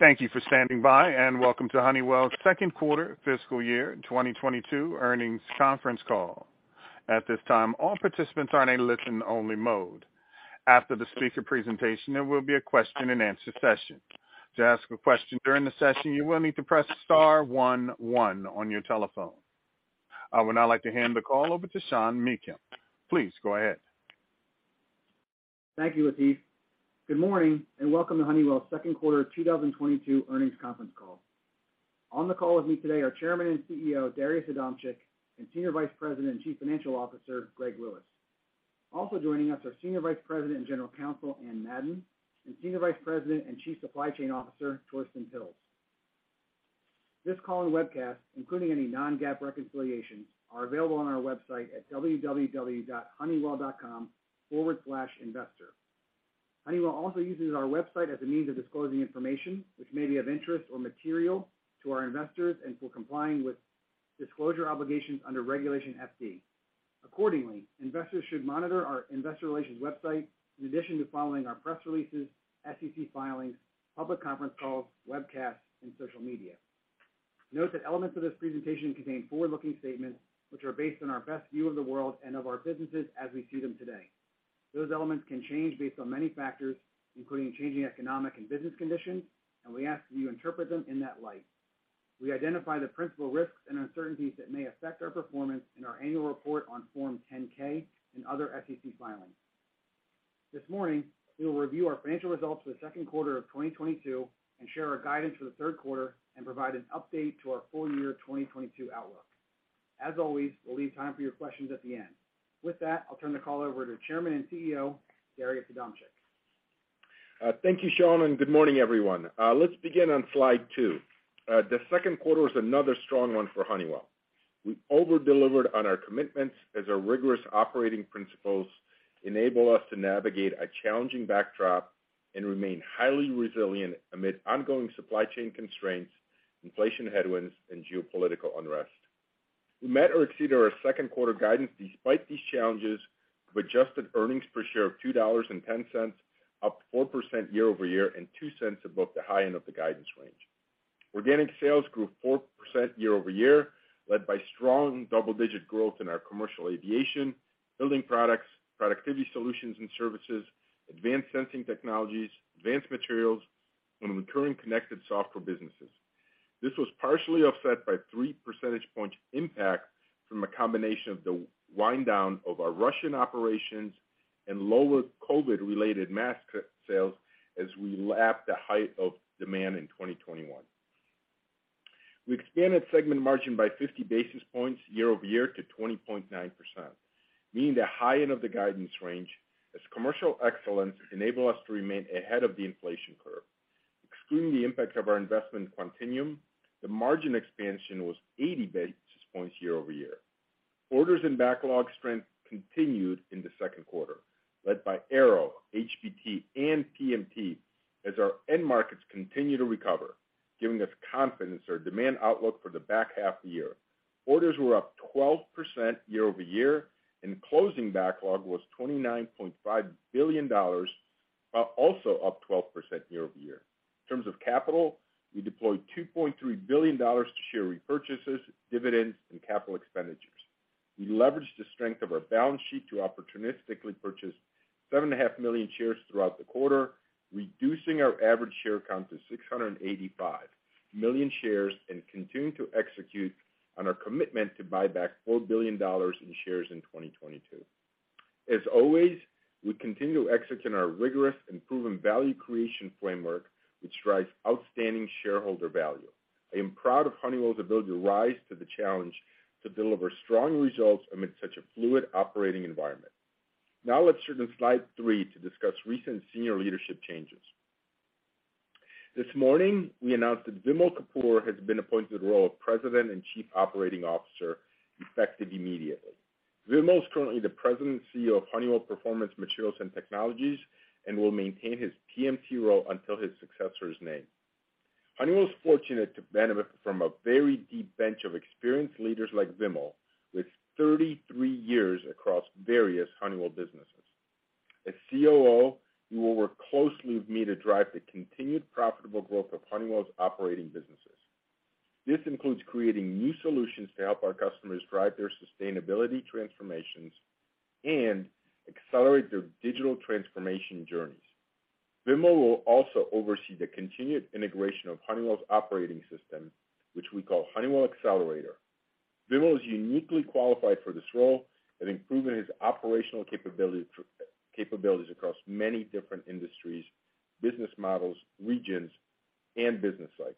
Thank you for standing by, and welcome to Honeywell's Second Quarter Fiscal Year 2022 Earnings Conference Call. At this time, all participants are in a listen only mode. After the speaker presentation, there will be a question-and-answer session. To ask a question during the session, you will need to press star one one on your telephone. I would now like to hand the call over to Sean Meakim. Please go ahead. Thank you, Latif. Good morning and welcome to Honeywell's Second Quarter of 2022 Earnings Conference Call. On the call with me today are Chairman and CEO Darius Adamczyk and Senior Vice President and Chief Financial Officer Greg Lewis. Also joining us are Senior Vice President and General Counsel Anne Madden and Senior Vice President and Chief Supply Chain Officer Torsten Pilz. This call and webcast, including any non-GAAP reconciliations, are available on our website at www.honeywell.com/investor. Honeywell also uses our website as a means of disclosing information which may be of interest or material to our investors and for complying with disclosure obligations under Regulation FD. Accordingly, investors should monitor our investor relations website in addition to following our press releases, SEC filings, public conference calls, webcasts, and social media. Note that elements of this presentation contain forward-looking statements which are based on our best view of the world and of our businesses as we see them today. Those elements can change based on many factors, including changing economic and business conditions, and we ask that you interpret them in that light. We identify the principal risks and uncertainties that may affect our performance in our annual report on Form 10-K and other SEC filings. This morning, we will review our financial results for the second quarter of 2022 and share our guidance for the third quarter and provide an update to our full year 2022 outlook. As always, we'll leave time for your questions at the end. With that, I'll turn the call over to Chairman and CEO, Darius Adamczyk. Thank you, Sean, and good morning, everyone. Let's begin on slide two. The second quarter was another strong one for Honeywell. We over-delivered on our commitments as our rigorous operating principles enable us to navigate a challenging backdrop and remain highly resilient amid ongoing supply chain constraints, inflation headwinds, and geopolitical unrest. We met or exceeded our second quarter guidance despite these challenges of adjusted earnings per share of $2.10, up 4% year-over-year and $0.02 Above the high end of the guidance range. Organic sales grew 4% year-over-year, led by strong double-digit growth in our commercial aviation, building products, productivity solutions and services, advanced sensing technologies, advanced materials, and recurring connected software businesses. This was partially offset by 3 percentage points impact from a combination of the wind down of our Russian operations and lower COVID-related mask sales as we lapped the height of demand in 2021. We expanded segment margin by 50 basis points year-over-year to 20.9%, meeting the high end of the guidance range as commercial excellence enabled us to remain ahead of the inflation curve. Excluding the impact of our investment in Quantinuum, the margin expansion was 80 basis points year-over-year. Orders and backlog strength continued in the second quarter, led by Aero, HPS, and PMT as our end markets continue to recover, giving us confidence our demand outlook for the back half of the year. Orders were up 12% year-over-year and closing backlog was $29.5 billion, while also up 12% year-over-year. In terms of capital, we deployed $2.3 billion to share repurchases, dividends, and capital expenditures. We leveraged the strength of our balance sheet to opportunistically purchase 7.5 million shares throughout the quarter, reducing our average share count to 685 million shares and continuing to execute on our commitment to buy back $4 billion in shares in 2022. As always, we continue executing our rigorous and proven value creation framework, which drives outstanding shareholder value. I am proud of Honeywell's ability to rise to the challenge to deliver strong results amid such a fluid operating environment. Now let's turn to slide three to discuss recent senior leadership changes. This morning we announced that Vimal Kapur has been appointed to the role of President and Chief Operating Officer effective immediately. Vimal is currently the President and CEO of Honeywell Performance Materials and Technologies and will maintain his PMT role until his successor is named. Honeywell is fortunate to benefit from a very deep bench of experienced leaders like Vimal with 33 years across various Honeywell businesses. As COO, he will work closely with me to drive the continued profitable growth of Honeywell's operating businesses. This includes creating new solutions to help our customers drive their sustainability transformations and accelerate their digital transformation journeys. Vimal will also oversee the continued integration of Honeywell's operating system, which we call Honeywell Accelerator. Vimal is uniquely qualified for this role and improving his operational capabilities across many different industries, business models, regions, and business cycles.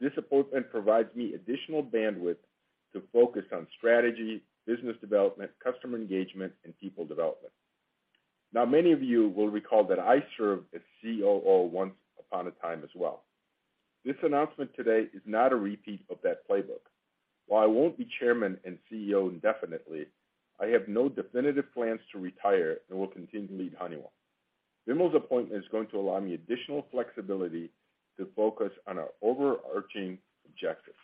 This appointment provides me additional bandwidth to focus on strategy, business development, customer engagement, and people development. Now, many of you will recall that I served as COO once upon a time as well. This announcement today is not a repeat of that playbook. While I won't be chairman and CEO indefinitely, I have no definitive plans to retire and will continue to lead Honeywell. Vimal's appointment is going to allow me additional flexibility to focus on our overarching objectives.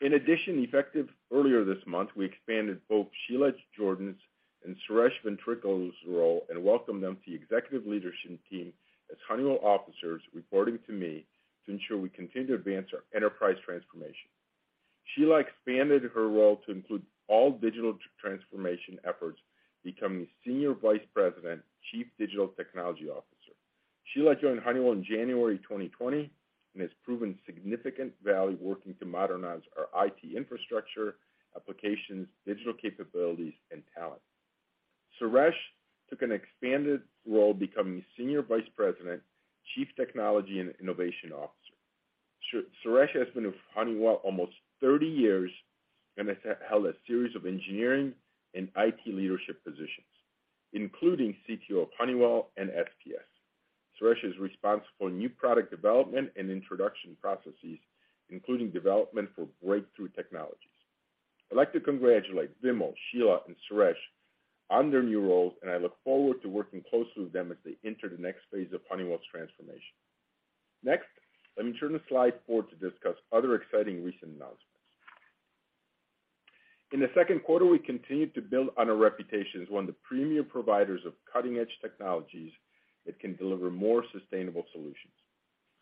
In addition, effective earlier this month, we expanded both Sheila Jordan's and Suresh Venkatarayalu's role and welcomed them to the executive leadership team as Honeywell officers reporting to me to ensure we continue to advance our enterprise transformation. Sheila expanded her role to include all digital transformation efforts, becoming Senior Vice President, Chief Digital Technology Officer. Sheila joined Honeywell in January 2020, and has proven significant value working to modernize our IT infrastructure, applications, digital capabilities, and talent. Suresh took an expanded role, becoming Senior Vice President, Chief Technology and Innovation Officer. Suresh has been with Honeywell almost 30 years and has held a series of engineering and IT leadership positions, including CTO of Honeywell and HPS. Suresh is responsible for new product development and introduction processes, including development for breakthrough technologies. I'd like to congratulate Vimal, Sheila, and Suresh on their new roles, and I look forward to working closely with them as they enter the next phase of Honeywell's transformation. Next, let me turn the slide forward to discuss other exciting recent announcements. In the second quarter, we continued to build on our reputation as one of the premium providers of cutting-edge technologies that can deliver more sustainable solutions.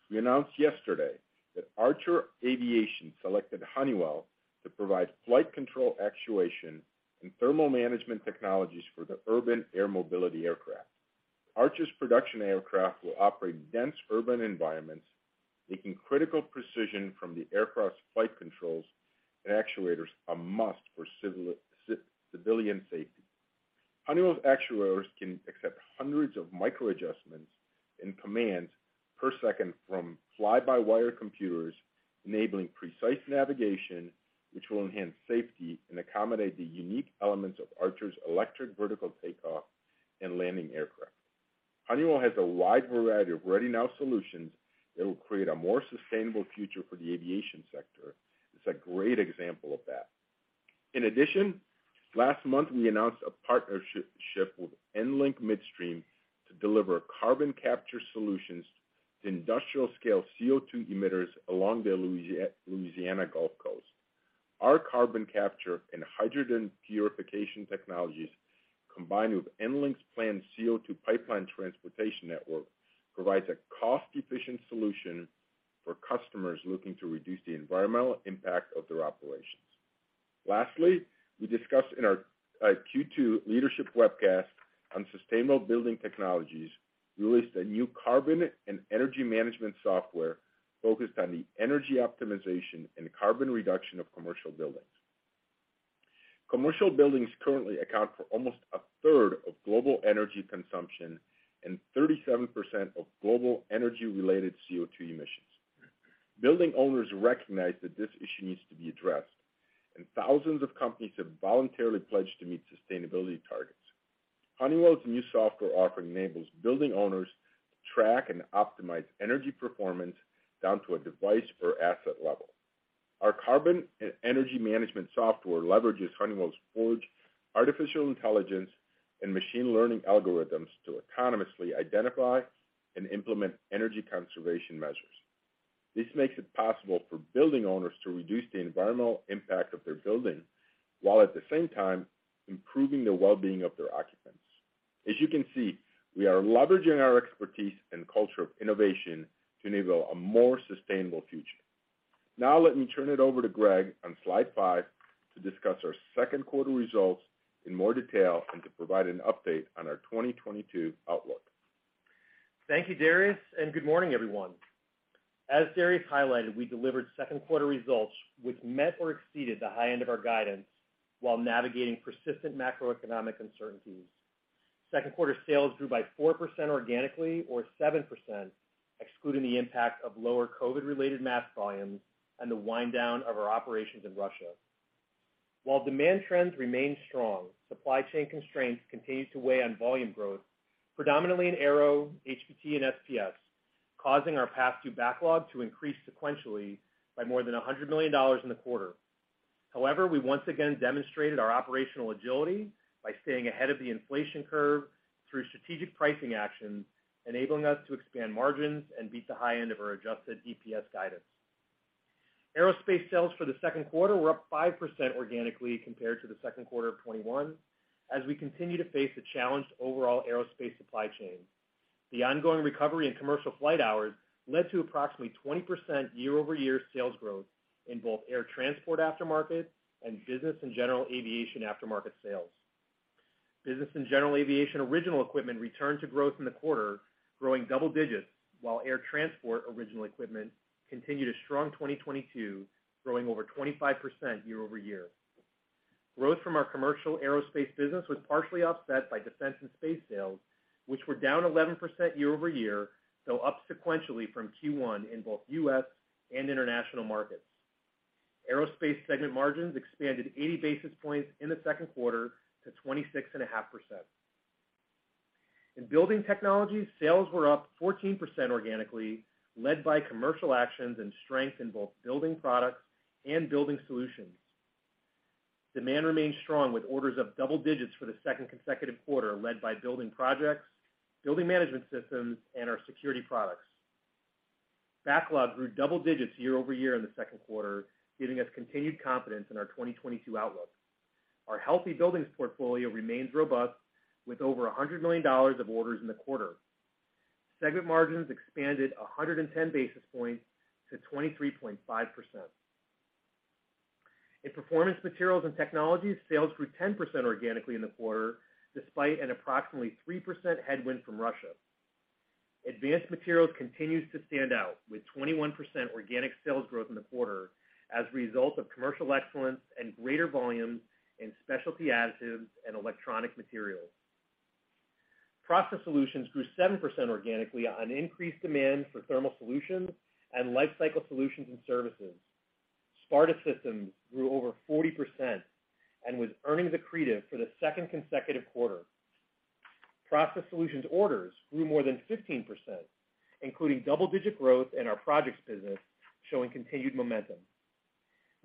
We announced yesterday that Archer Aviation selected Honeywell to provide flight control actuation and thermal management technologies for the urban air mobility aircraft. Archer's production aircraft will operate in dense urban environments, making critical precision from the aircraft's flight controls and actuators a must for civilian safety. Honeywell's actuators can accept hundreds of micro adjustments and commands per second from fly by wire computers, enabling precise navigation, which will enhance safety and accommodate the unique elements of Archer's electric vertical takeoff and landing aircraft. Honeywell has a wide variety of ready now solutions that will create a more sustainable future for the aviation sector. It's a great example of that. In addition, last month, we announced a partnership with EnLink Midstream to deliver carbon capture solutions to industrial scale CO2 emitters along the Louisiana Gulf Coast. Our carbon capture and hydrogen purification technologies, combined with EnLink's planned CO2 pipeline transportation network, provides a cost-efficient solution for customers looking to reduce the environmental impact of their operations. Lastly, we discussed in our Q2 leadership webcast on sustainable building technologies, we released a new carbon and energy management software focused on the energy optimization and carbon reduction of commercial buildings. Commercial buildings currently account for almost a 1/3 of global energy consumption and 37% of global energy-related CO2 emissions. Building owners recognize that this issue needs to be addressed, and thousands of companies have voluntarily pledged to meet sustainability targets. Honeywell's new software offering enables building owners to track and optimize energy performance down to a device or asset level. Our carbon and energy management software leverages Honeywell's Forge artificial intelligence and machine learning algorithms to autonomously identify and implement energy conservation measures. This makes it possible for building owners to reduce the environmental impact of their building, while at the same time improving the well-being of their occupants. As you can see, we are leveraging our expertise and culture of innovation to enable a more sustainable future. Now let me turn it over to Greg on slide five to discuss our second quarter results in more detail and to provide an update on our 2022 outlook. Thank you, Darius, and good morning, everyone. As Darius highlighted, we delivered second quarter results which met or exceeded the high end of our guidance while navigating persistent macroeconomic uncertainties. Second quarter sales grew by 4% organically, or 7% excluding the impact of lower COVID-related mask volumes and the wind down of our operations in Russia. While demand trends remain strong, supply chain constraints continue to weigh on volume growth, predominantly in Aero, HBT and SPS, causing our path to backlog to increase sequentially by more than $100 million in the quarter. However, we once again demonstrated our operational agility by staying ahead of the inflation curve through strategic pricing actions, enabling us to expand margins and beat the high end of our adjusted EPS guidance. Aerospace sales for the second quarter were up 5% organically compared to the second quarter of 2021, as we continue to face the challenged overall aerospace supply chain. The ongoing recovery in commercial flight hours led to approximately 20% year-over-year sales growth in both air transport aftermarket and business and general aviation aftermarket sales. Business and general aviation original equipment returned to growth in the quarter, growing double digits, while air transport original equipment continued a strong 2022, growing over 25% year-over-year. Growth from our commercial aerospace business was partially offset by defense and space sales, which were down 11% year-over-year, though up sequentially from Q1 in both U.S. and international markets. Aerospace segment margins expanded 80 basis points in the second quarter to 26.5%. In building technology, sales were up 14% organically, led by commercial actions and strength in both building products and building solutions. Demand remained strong with orders up double digits for the second consecutive quarter, led by building projects, building management systems, and our security products. Backlog grew double digits year over year in the second quarter, giving us continued confidence in our 2022 outlook. Our Healthy Buildings portfolio remains robust, with over $100 million of orders in the quarter. Segment margins expanded 110 basis points to 23.5%. In Performance Materials and Technologies, sales grew 10% organically in the quarter despite an approximately 3% headwind from Russia. Advanced Materials continues to stand out with 21% organic sales growth in the quarter as a result of commercial excellence and greater volumes in specialty additives and electronic materials. Process Solutions grew 7% organically on increased demand for thermal solutions and lifecycle solutions and services. Sparta Systems grew over 40% and was earnings accretive for the second consecutive quarter. Process Solutions orders grew more than 15%, including double-digit growth in our projects business, showing continued momentum.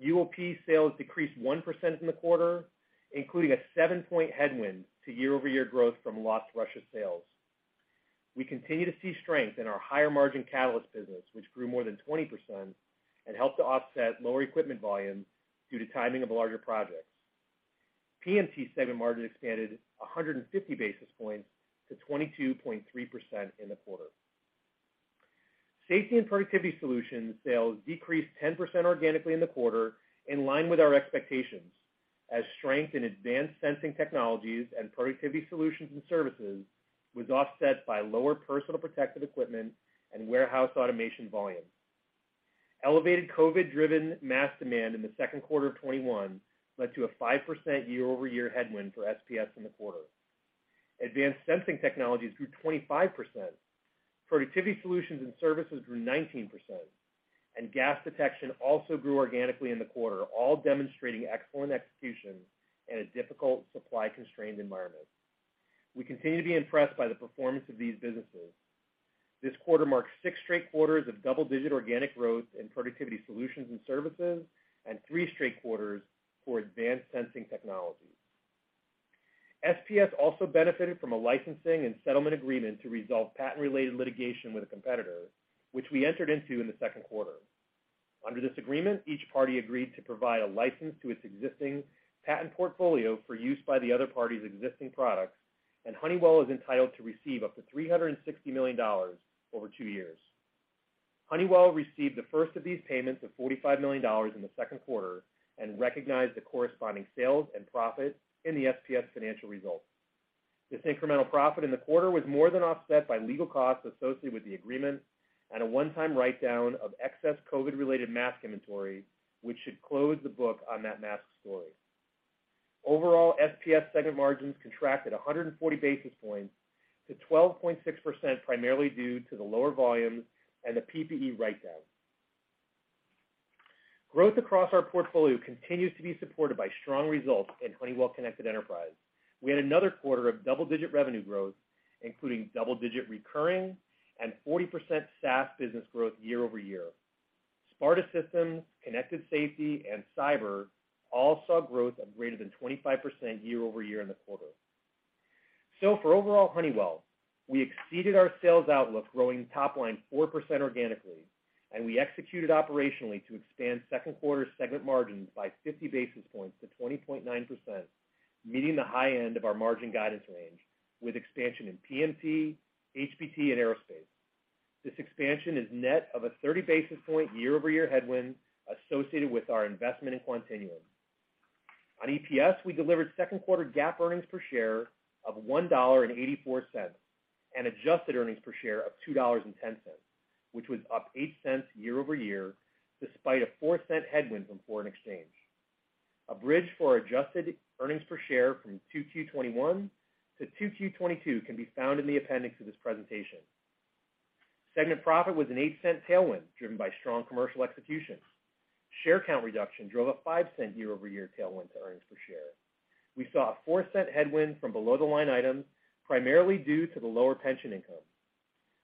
UOP sales decreased 1% in the quarter, including a 7-point headwind to year-over-year growth from lost Russia sales. We continue to see strength in our higher-margin catalyst business, which grew more than 20% and helped to offset lower equipment volumes due to timing of larger projects. PMT segment margin expanded 150 basis points to 22.3% in the quarter. Safety and Productivity Solutions sales decreased 10% organically in the quarter, in line with our expectations, as strength in advanced sensing technologies and productivity solutions and services was offset by lower personal protective equipment and warehouse automation volumes. Elevated COVID-driven mask demand in the second quarter of 2021 led to a 5% year-over-year headwind for SPS in the quarter. Advanced sensing technologies grew 25%, productivity solutions and services grew 19%, and gas detection also grew organically in the quarter, all demonstrating excellent execution in a difficult supply-constrained environment. We continue to be impressed by the performance of these businesses. This quarter marks six straight quarters of double-digit organic growth in productivity solutions and services and three straight quarters for advanced sensing technologies. SPS also benefited from a licensing and settlement agreement to resolve patent-related litigation with a competitor, which we entered into in the second quarter. Under this agreement, each party agreed to provide a license to its existing patent portfolio for use by the other party's existing products, and Honeywell is entitled to receive up to $360 million over two years. Honeywell received the first of these payments of $45 million in the second quarter and recognized the corresponding sales and profit in the SPS financial results. This incremental profit in the quarter was more than offset by legal costs associated with the agreement and a one-time write-down of excess COVID-related mask inventory, which should close the book on that mask story. Overall, SPS segment margins contracted 140 basis points to 12.6% primarily due to the lower volumes and the PPE write-down. Growth across our portfolio continues to be supported by strong results in Honeywell Connected Enterprise. We had another quarter of double-digit revenue growth, including double-digit recurring and 40% SaaS business growth year over year. Sparta Systems, Connected Safety, and Cyber all saw growth of greater than 25% year over year in the quarter. For overall Honeywell, we exceeded our sales outlook, growing top line 4% organically, and we executed operationally to expand second quarter segment margins by 50 basis points to 20.9%, meeting the high end of our margin guidance range with expansion in PMT, HPS, and Aerospace. This expansion is net of a 30 basis point year over year headwind associated with our investment in Quantinuum. On EPS, we delivered second quarter GAAP earnings per share of $1.84 and adjusted earnings per share of $2.10, which was up $0.08 Year-over-year, despite a $0.04 headwind from foreign exchange. A bridge for adjusted earnings per share from 2Q21 to 2Q22 can be found in the appendix of this presentation. Segment profit was an $0.08 tailwind driven by strong commercial execution. Share count reduction drove a $0.05 year-over-year tailwind to earnings per share. We saw a $0.04 headwind from below-the-line items, primarily due to the lower pension income.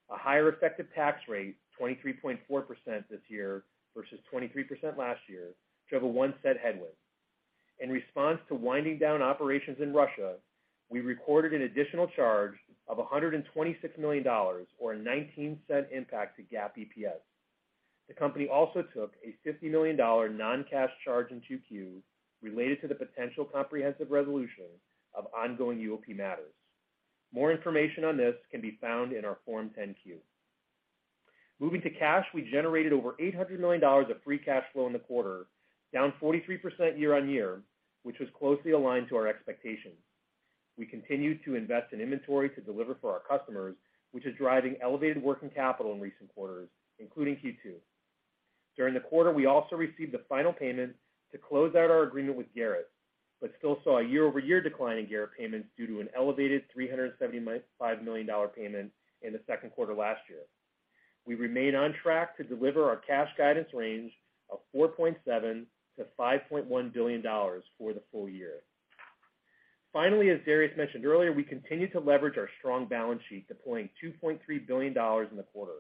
A higher effective tax rate, 23.4% this year versus 23% last year, drove a $0.01 headwind. In response to winding down operations in Russia, we recorded an additional charge of $126 million or a $0.19 impact to GAAP EPS. The company also took a $50 million non-cash charge in 2Q related to the potential comprehensive resolution of ongoing UOP matters. More information on this can be found in our Form 10-Q. Moving to cash, we generated over $800 million of free cash flow in the quarter, down 43% year-on-year, which was closely aligned to our expectations. We continued to invest in inventory to deliver for our customers, which is driving elevated working capital in recent quarters, including Q2. During the quarter, we also received the final payment to close out our agreement with Garrett, but still saw a year-over-year decline in Garrett payments due to an elevated $375 million payment in the second quarter last year. We remain on track to deliver our cash guidance range of $4.7 billion-$5.1 billion for the full year. Finally, as Darius mentioned earlier, we continue to leverage our strong balance sheet, deploying $2.3 billion in the quarter.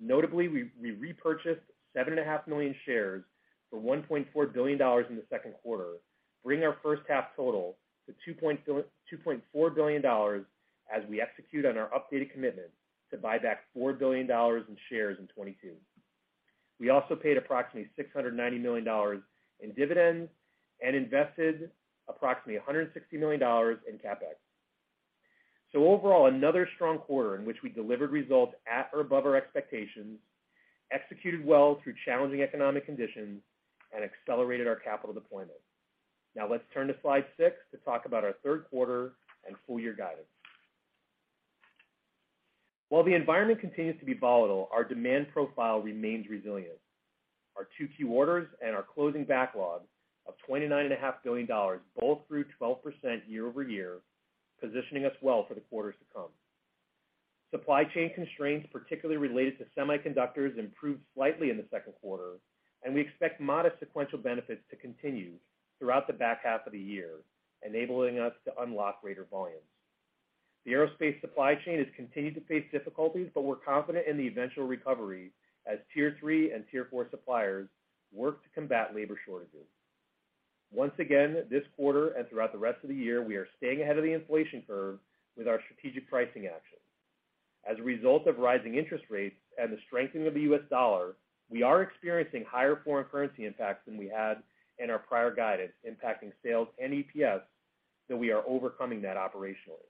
Notably, we repurchased 7.5 million shares for $1.4 billion in the second quarter, bringing our first half total to $2.4 billion as we execute on our updated commitment to buy back $4 billion in shares in 2022. We also paid approximately $690 million in dividends and invested approximately $160 million in CapEx. Overall, another strong quarter in which we delivered results at or above our expectations, executed well through challenging economic conditions, and accelerated our capital deployment. Now let's turn to slide six to talk about our third quarter and full year guidance. While the environment continues to be volatile, our demand profile remains resilient. Our two key orders and our closing backlog of $29.5 billion both grew 12% year-over-year, positioning us well for the quarters to come. Supply chain constraints, particularly related to semiconductors, improved slightly in the second quarter, and we expect modest sequential benefits to continue throughout the back half of the year, enabling us to unlock greater volumes. The aerospace supply chain has continued to face difficulties, but we're confident in the eventual recovery as Tier 3 and Tier 4 suppliers work to combat labor shortages. Once again, this quarter and throughout the rest of the year, we are staying ahead of the inflation curve with our strategic pricing actions. As a result of rising interest rates and the strengthening of the U.S. dollar, we are experiencing higher foreign currency impacts than we had in our prior guidance, impacting sales and EPS, though we are overcoming that operationally.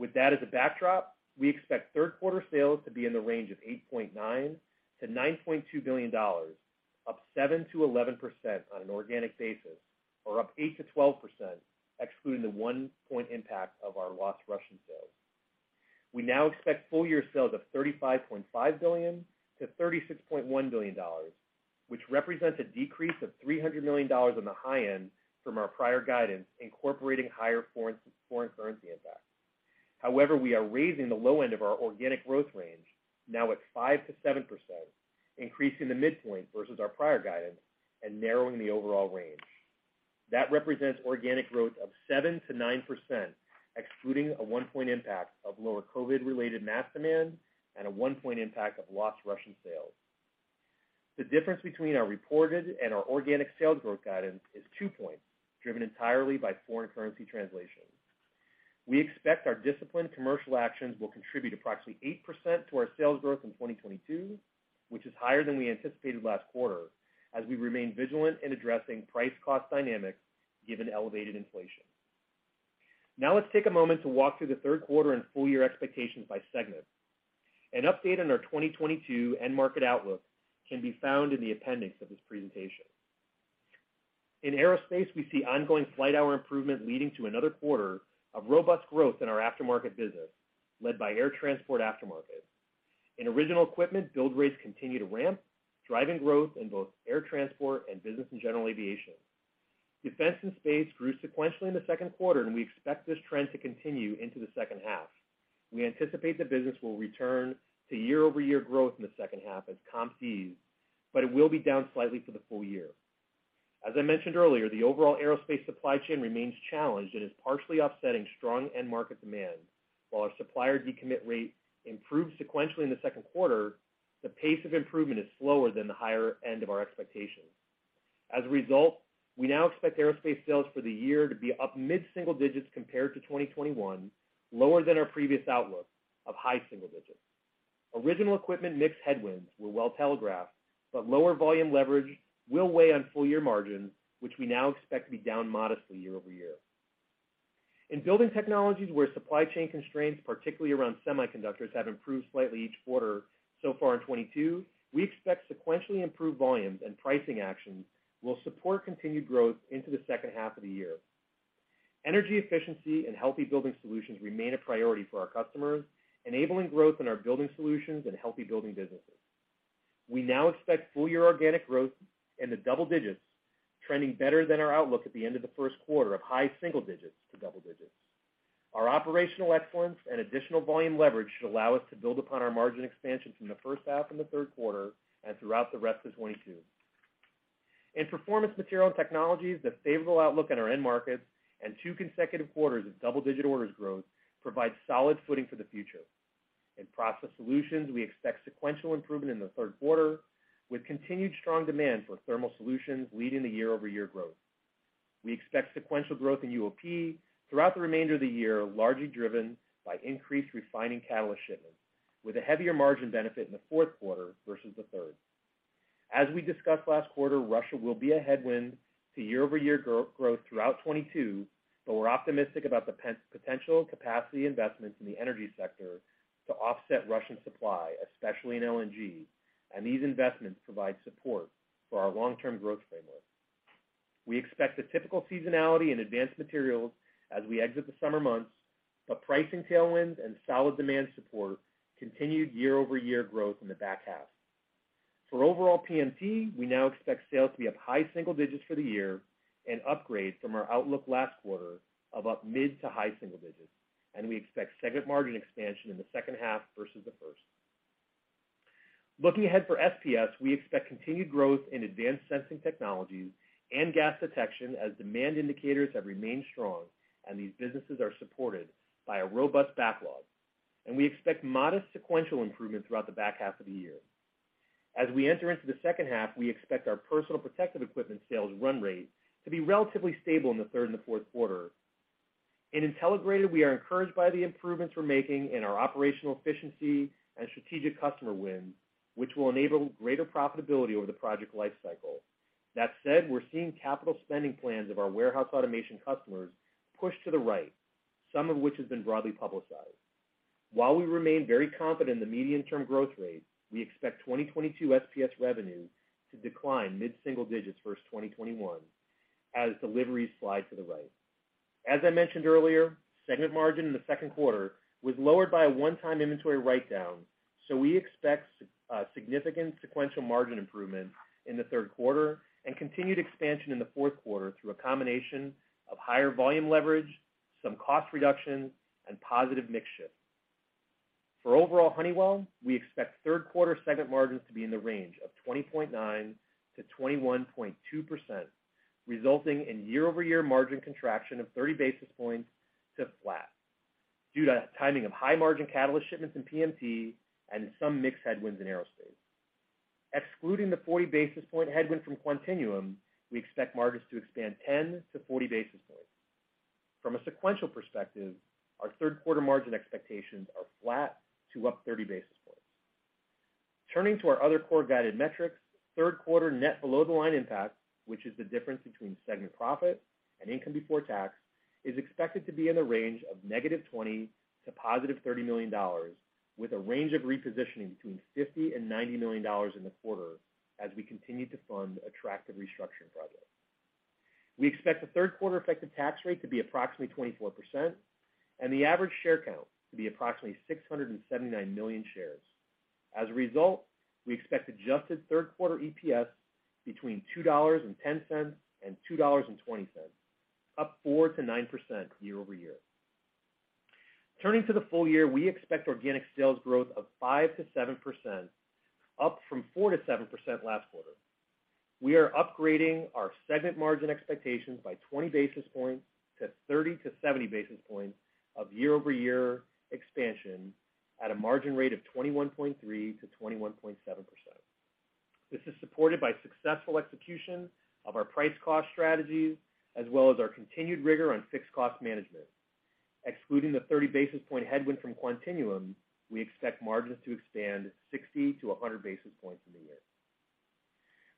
With that as a backdrop, we expect third quarter sales to be in the range of $8.9 billion-$9.2 billion, up 7%-11% on an organic basis, or up 8%-12% excluding the 1-point impact of our lost Russian sales. We now expect full year sales of $35.5 billion-$36.1 billion, which represents a decrease of $300 million on the high end from our prior guidance, incorporating higher foreign currency impacts. However, we are raising the low end of our organic growth range, now at 5%-7%, increasing the midpoint versus our prior guidance and narrowing the overall range. That represents organic growth of 7%-9%, excluding a 1-point impact of lower COVID-related mask demand and a 1-point impact of lost Russian sales. The difference between our reported and our organic sales growth guidance is 2 points, driven entirely by foreign currency translation. We expect our disciplined commercial actions will contribute approximately 8% to our sales growth in 2022, which is higher than we anticipated last quarter, as we remain vigilant in addressing price cost dynamics given elevated inflation. Now let's take a moment to walk through the third quarter and full year expectations by segment. An update on our 2022 end market outlook can be found in the appendix of this presentation. In Aerospace, we see ongoing flight hour improvement leading to another quarter of robust growth in our aftermarket business, led by air transport aftermarket. In original equipment, build rates continue to ramp, driving growth in both air transport and business and general aviation. Defense and Space grew sequentially in the second quarter, and we expect this trend to continue into the second half. We anticipate the business will return to year-over-year growth in the second half as comps ease, but it will be down slightly for the full year. As I mentioned earlier, the overall Aerospace supply chain remains challenged and is partially offsetting strong end market demand. While our supplier decommit rate improved sequentially in the second quarter, the pace of improvement is slower than the higher end of our expectations. As a result, we now expect Aerospace sales for the year to be up mid-single digits compared to 2021, lower than our previous outlook of high single digits. Original equipment mix headwinds were well telegraphed, but lower volume leverage will weigh on full year margins, which we now expect to be down modestly year-over-year. In Building Technologies, where supply chain constraints, particularly around semiconductors, have improved slightly each quarter so far in 2022, we expect sequentially improved volumes and pricing actions will support continued growth into the second half of the year. Energy efficiency and healthy building solutions remain a priority for our customers, enabling growth in our building solutions and healthy building businesses. We now expect full year organic growth in the double digits, trending better than our outlook at the end of the first quarter of high single digits to double digits. Our operational excellence and additional volume leverage should allow us to build upon our margin expansion from the first half and the third quarter and throughout the rest of 2022. In Performance Materials and Technologies, the favorable outlook in our end markets and two consecutive quarters of double-digit orders growth provide solid footing for the future. In process solutions, we expect sequential improvement in the third quarter with continued strong demand for thermal solutions leading the year-over-year growth. We expect sequential growth in UOP throughout the remainder of the year, largely driven by increased refining catalyst shipments, with a heavier margin benefit in the fourth quarter versus the third. As we discussed last quarter, Russia will be a headwind to year-over-year growth throughout 2022, but we're optimistic about the potential capacity investments in the energy sector to offset Russian supply, especially in LNG, and these investments provide support for our long-term growth framework. We expect a typical seasonality in advanced materials as we exit the summer months, but pricing tailwinds and solid demand support continued year-over-year growth in the back half. For overall PMT, we now expect sales to be up high single digits for the year, an upgrade from our outlook last quarter of up mid to high single digits, and we expect segment margin expansion in the second half versus the first. Looking ahead for SPS, we expect continued growth in advanced sensing technologies and gas detection as demand indicators have remained strong, and these businesses are supported by a robust backlog. We expect modest sequential improvement throughout the back half of the year. As we enter into the second half, we expect our personal protective equipment sales run rate to be relatively stable in the third and the fourth quarter. In Intelligrated, we are encouraged by the improvements we're making in our operational efficiency and strategic customer wins, which will enable greater profitability over the project life cycle. That said, we're seeing capital spending plans of our warehouse automation customers push to the right, some of which has been broadly publicized. While we remain very confident in the medium-term growth rate, we expect 2022 SPS revenue to decline mid-single digits versus 2021 as deliveries slide to the right. As I mentioned earlier, segment margin in the second quarter was lowered by a one-time inventory write down, so we expect significant sequential margin improvements in the third quarter and continued expansion in the fourth quarter through a combination of higher volume leverage, some cost reductions, and positive mix shift. For overall Honeywell, we expect third quarter segment margins to be in the range of 20.9%-21.2%, resulting in year-over-year margin contraction of 30 basis points to flat due to timing of high margin catalyst shipments in PMT and some mix headwinds in Aerospace. Excluding the 40 basis point headwind from Quantinuum, we expect margins to expand 10 to 40 basis points. From a sequential perspective, our third quarter margin expectations are flat to up 30 basis points. Turning to our other core guided metrics, third quarter net below-the-line impact, which is the difference between segment profit and income before tax, is expected to be in the range of -$20 million to $30 million, with a range of repositioning between $50 million and $90 million in the quarter as we continue to fund attractive restructuring projects. We expect the third quarter effective tax rate to be approximately 24% and the average share count to be approximately 679 million shares. As a result, we expect adjusted third quarter EPS between $2.10 and $2.20, up 4%-9% year-over-year. Turning to the full year, we expect organic sales growth of 5%-7%, up from 4%-7% last quarter. We are upgrading our segment margin expectations by 20 basis points to 30 to 70 basis points of year-over-year expansion at a margin rate of 21.3%-21.7%. This is supported by successful execution of our price cost strategies as well as our continued rigor on fixed cost management. Excluding the 30 basis point headwind from Quantinuum, we expect margins to expand 60-100 basis points in the year.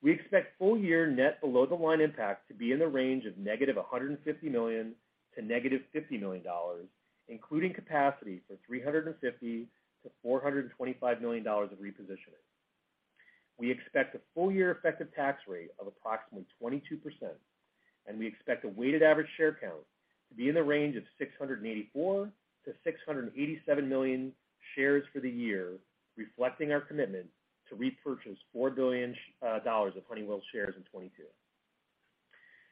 We expect full year net below the line impact to be in the range of -$150 million to -$50 million, including capacity for $350 million-$425 million of repositioning. We expect a full year effective tax rate of approximately 22%, and we expect a weighted average share count to be in the range of 684 million-687 million shares for the year, reflecting our commitment to repurchase $4 billion of Honeywell shares in 2022.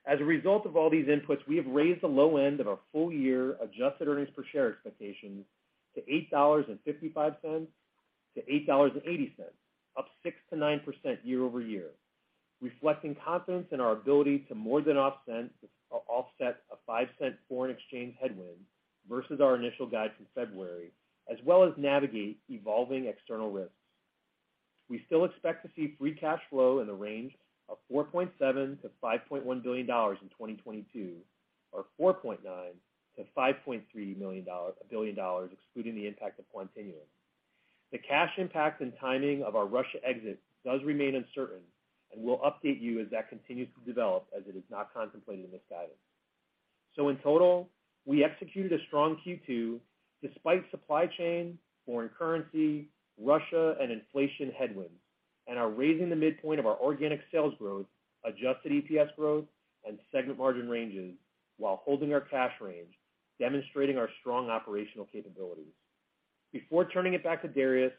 As a result of all these inputs, we have raised the low end of our full-year adjusted earnings per share expectations to $8.55-$8.80, up 6%-9% year-over-year, reflecting confidence in our ability to more than offset a $0.05 foreign exchange headwind versus our initial guide from February, as well as navigate evolving external risks. We still expect to see free cash flow in the range of $4.7 billion-$5.1 billion in 2022, or $4.9 billion-$5.3 billion, excluding the impact of Quantinuum. The cash impact and timing of our Russia exit does remain uncertain, and we'll update you as that continues to develop as it is not contemplated in this guidance. In total, we executed a strong Q2 despite supply chain, foreign currency, Russia, and inflation headwinds, and are raising the midpoint of our organic sales growth, adjusted EPS growth, and segment margin ranges while holding our cash range, demonstrating our strong operational capabilities. Before turning it back to Darius,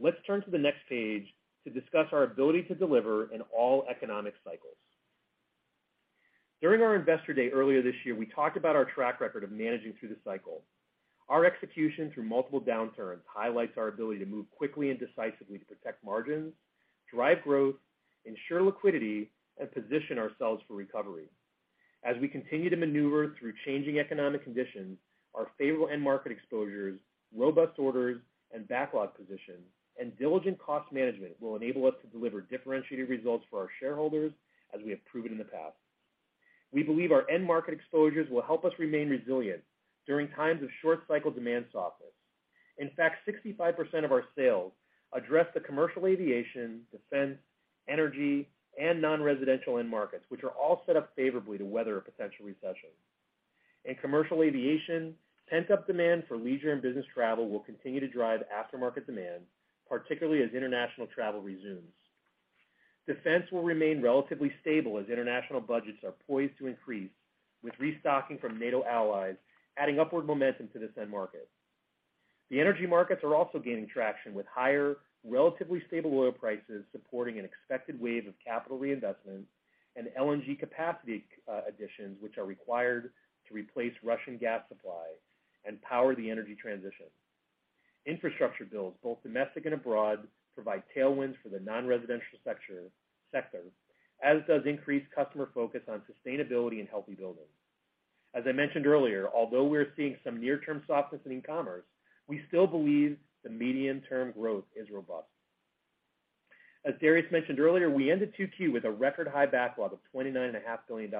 let's turn to the next page to discuss our ability to deliver in all economic cycles. During our investor day earlier this year, we talked about our track record of managing through the cycle. Our execution through multiple downturns highlights our ability to move quickly and decisively to protect margins, drive growth, ensure liquidity, and position ourselves for recovery. As we continue to maneuver through changing economic conditions, our favorable end market exposures, robust orders and backlog positions, and diligent cost management will enable us to deliver differentiated results for our shareholders as we have proven in the past. We believe our end market exposures will help us remain resilient during times of short cycle demand softness. In fact, 65% of our sales address the commercial aviation, defense, energy, and non-residential end markets, which are all set up favorably to weather a potential recession. In commercial aviation, pent-up demand for leisure and business travel will continue to drive aftermarket demand, particularly as international travel resumes. Defense will remain relatively stable as international budgets are poised to increase, with restocking from NATO allies adding upward momentum to this end market. The energy markets are also gaining traction with higher, relatively stable oil prices supporting an expected wave of capital reinvestment and LNG capacity additions which are required to replace Russian gas supply and power the energy transition. Infrastructure bills, both domestic and abroad, provide tailwinds for the non-residential sector, as does increased customer focus on sustainability and healthy buildings. As I mentioned earlier, although we are seeing some near-term softness in e-commerce, we still believe the medium-term growth is robust. As Darius mentioned earlier, we ended 2Q with a record high backlog of $29.5 billion,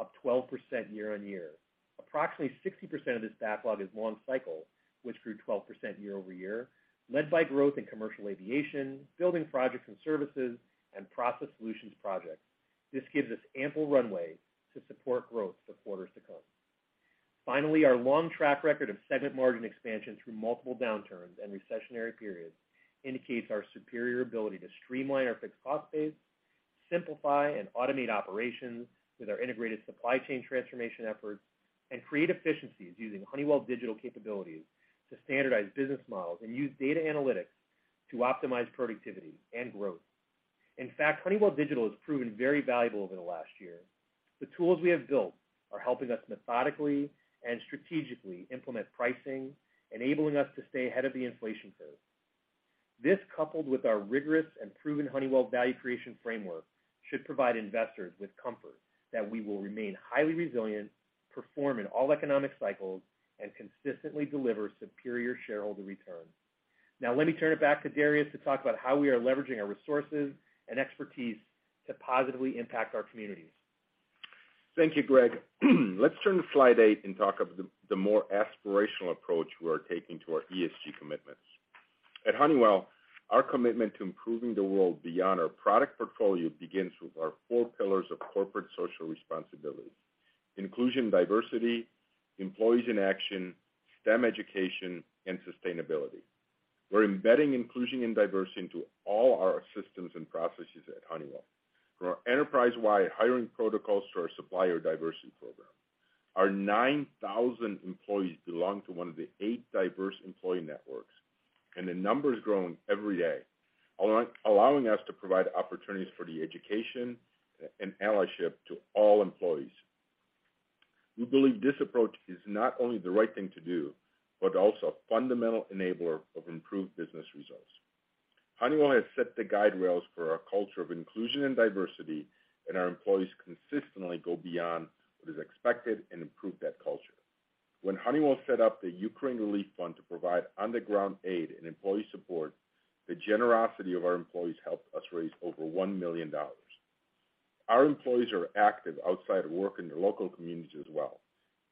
up 12% year-over-year. Approximately 60% of this backlog is long cycle, which grew 12% year-over-year, led by growth in commercial aviation, building projects and services, and process solutions projects. This gives us ample runway to support growth for quarters to come. Finally, our long track record of segment margin expansion through multiple downturns and recessionary periods indicates our superior ability to streamline our fixed cost base, simplify and automate operations with our integrated supply chain transformation efforts, and create efficiencies using Honeywell Digital capabilities to standardize business models and use data analytics to optimize productivity and growth. In fact, Honeywell Digital has proven very valuable over the last year. The tools we have built are helping us methodically and strategically implement pricing, enabling us to stay ahead of the inflation curve. This, coupled with our rigorous and proven Honeywell value creation framework, should provide investors with comfort that we will remain highly resilient, perform in all economic cycles, and consistently deliver superior shareholder returns. Now, let me turn it back to Darius to talk about how we are leveraging our resources and expertise to positively impact our communities. Thank you, Greg. Let's turn to slide eight and talk about the more aspirational approach we are taking to our ESG commitments. At Honeywell, our commitment to improving the world beyond our product portfolio begins with our four pillars of corporate social responsibility. Inclusion, diversity, employees in action, STEM education, and sustainability. We're embedding inclusion and diversity into all our systems and processes at Honeywell. From our enterprise-wide hiring protocols to our supplier diversity program, our 9,000 employees belong to one of the eight diverse employee networks, and the number is growing every day, allowing us to provide opportunities for the education and allyship to all employees. We believe this approach is not only the right thing to do, but also a fundamental enabler of improved business results. Honeywell has set the guide rails for our culture of inclusion and diversity, and our employees consistently go beyond what is expected and improve that culture. When Honeywell set up the Ukraine Relief Fund to provide on-the-ground aid and employee support, the generosity of our employees helped us raise over $1 million. Our employees are active outside of work in their local communities as well,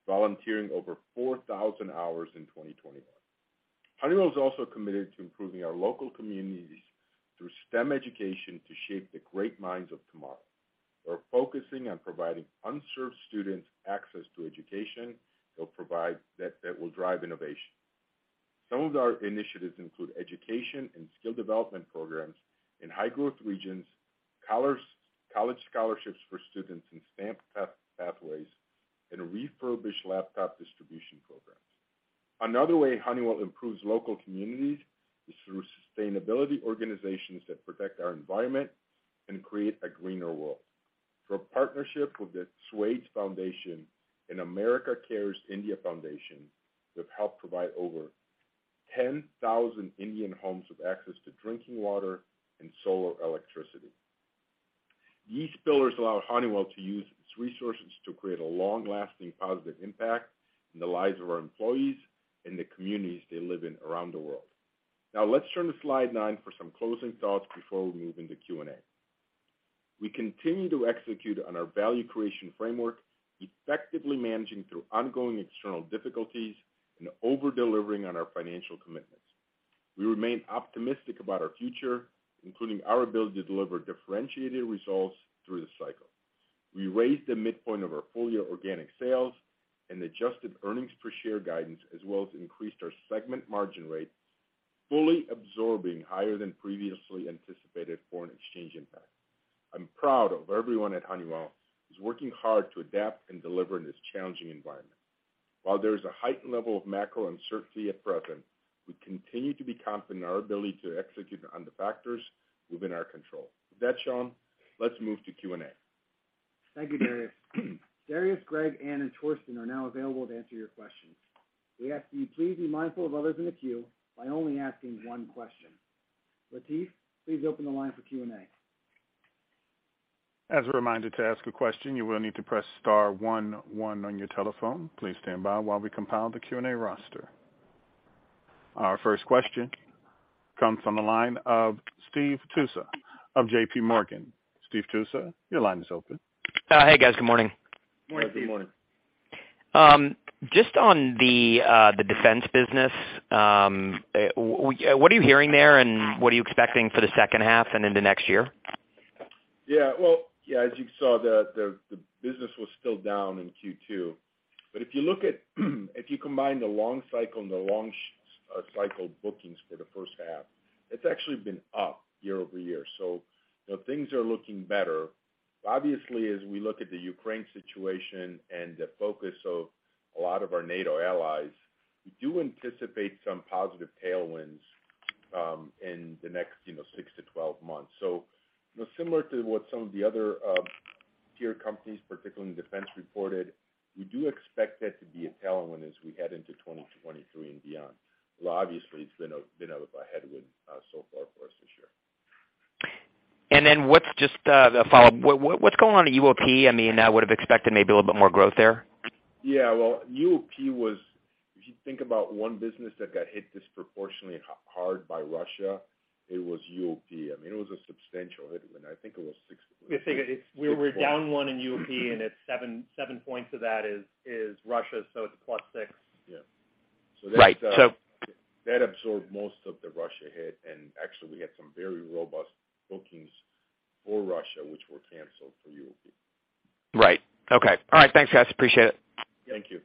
volunteering over 4,000 hours in 2021. Honeywell is also committed to improving our local communities through STEM education to shape the great minds of tomorrow. We're focusing on providing unserved students access to education that will drive innovation. Some of our initiatives include education and skill development programs in high growth regions, college scholarships for students in STEM pathways, and refurbished laptop distribution programs. Another way Honeywell improves local communities is through sustainability organizations that protect our environment and create a greener world. Through a partnership with the Swades Foundation and Americares India Foundation, we've helped provide over 10,000 Indian homes with access to drinking water and solar electricity. These pillars allow Honeywell to use its resources to create a long-lasting positive impact in the lives of our employees and the communities they live in around the world. Now let's turn to slide nine for some closing thoughts before we move into Q&A. We continue to execute on our value creation framework, effectively managing through ongoing external difficulties and over-delivering on our financial commitments. We remain optimistic about our future, including our ability to deliver differentiated results through the cycle. We raised the midpoint of our full-year organic sales and adjusted earnings per share guidance, as well as increased our segment margin rates, fully absorbing higher than previously anticipated foreign exchange impact. I'm proud of everyone at Honeywell who's working hard to adapt and deliver in this challenging environment. While there is a heightened level of macro uncertainty at present, we continue to be confident in our ability to execute on the factors within our control. With that, Sean, let's move to Q&A. Thank you, Darius. Darius, Greg, and Torsten are now available to answer your questions. We ask that you please be mindful of others in the queue by only asking one question. Latif, please open the line for Q&A. As a reminder, to ask a question, you will need to press star one one on your telephone. Please stand by while we compile the Q&A roster. Our first question comes from the line of Stephen Tusa of JPMorgan. Stephen Tusa, your line is open. Hey, guys. Good morning. Morning, Steve. Good morning. Just on the defense business, what are you hearing there, and what are you expecting for the second half and into next year? As you saw, the business was still down in Q2. If you combine the long cycle and the cycle bookings for the first half, it's actually been up year-over-year. Things are looking better. Obviously, as we look at the Ukraine situation and the focus of a lot of our NATO allies, we do anticipate some positive tailwinds in the next, you know, six to 12 months. You know, similar to what some of the other tier companies, particularly in defense, reported. We do expect that to be a tailwind as we head into 2023 and beyond. Well, obviously, it's been a headwind so far for us this year. What's just the follow-up. What's going on at UOP? I mean, I would have expected maybe a little bit more growth there. Yeah. Well, UOP was. If you think about one business that got hit disproportionately hard by Russia, it was UOP. I mean, it was a substantial hit, and I think it was six- I think we were down one in UOP, and it's 7 points of that is Russia, so it's +6. Yeah. Right. That absorbed most of the Russia hit, and actually we had some very robust bookings for Russia, which were canceled for UOP. Right. Okay. All right, thanks, guys. Appreciate it. Thank you.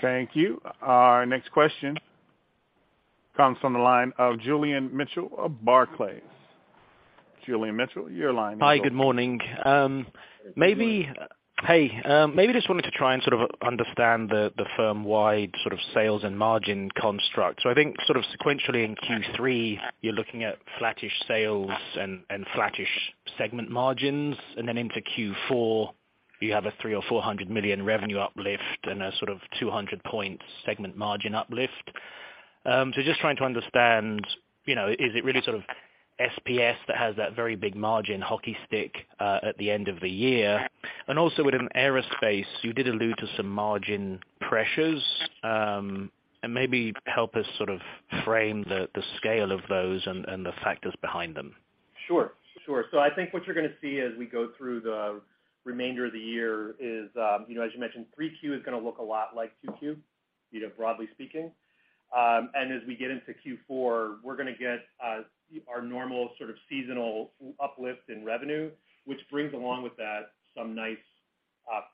Thank you. Our next question comes from the line of Julian Mitchell of Barclays. Julian Mitchell, your line is open. Hi, good morning. Maybe just wanted to try and sort of understand the firm-wide sort of sales and margin construct. I think sort of sequentially in Q3, you're looking at flattish sales and flattish segment margins. Then into Q4, you have a $300 million-$400 million revenue uplift and a sort of 200-point segment margin uplift. Just trying to understand, you know, is it really sort of SPS that has that very big margin hockey stick at the end of the year? Also within Aerospace, you did allude to some margin pressures, and maybe help us sort of frame the scale of those and the factors behind them. Sure. I think what you're gonna see as we go through the remainder of the year is, you know, as you mentioned, Q3 is gonna look a lot like Q2, you know, broadly speaking. As we get into Q4, we're gonna get our normal sort of seasonal uplift in revenue, which brings along with that some nice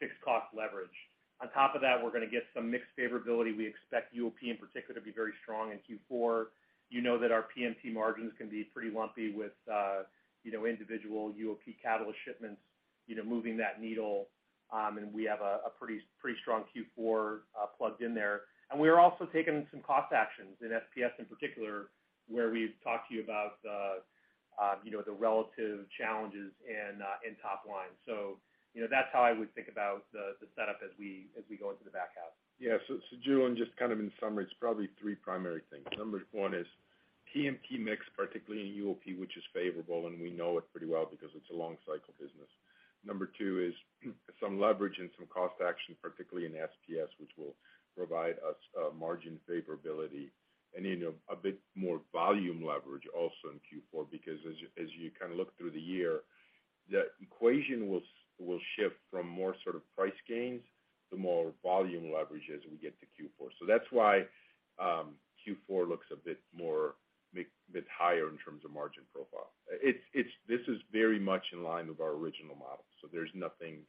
fixed cost leverage. On top of that, we're gonna get some mixed favorability. We expect UOP in particular to be very strong in Q4. You know that our PMT margins can be pretty lumpy with, you know, individual UOP catalyst shipments, you know, moving that needle. We have a pretty strong Q4 plugged in there. We are also taking some cost actions in SPS in particular, where we've talked to you about the you know the relative challenges and in top line. You know, that's how I would think about the setup as we go into the back half. Yeah. Julian, just kind of in summary, it's probably three primary things. Number one is PMT mix, particularly in UOP, which is favorable, and we know it pretty well because it's a long cycle business. Number two is some leverage and some cost action, particularly in SPS, which will provide us margin favorability. You know, a bit more volume leverage also in Q4, because as you kind of look through the year, that equation will shift from more sort of price gains to more volume leverage as we get to Q4. That's why Q4 looks a bit higher in terms of margin profile. This is very much in line with our original model, so there's nothing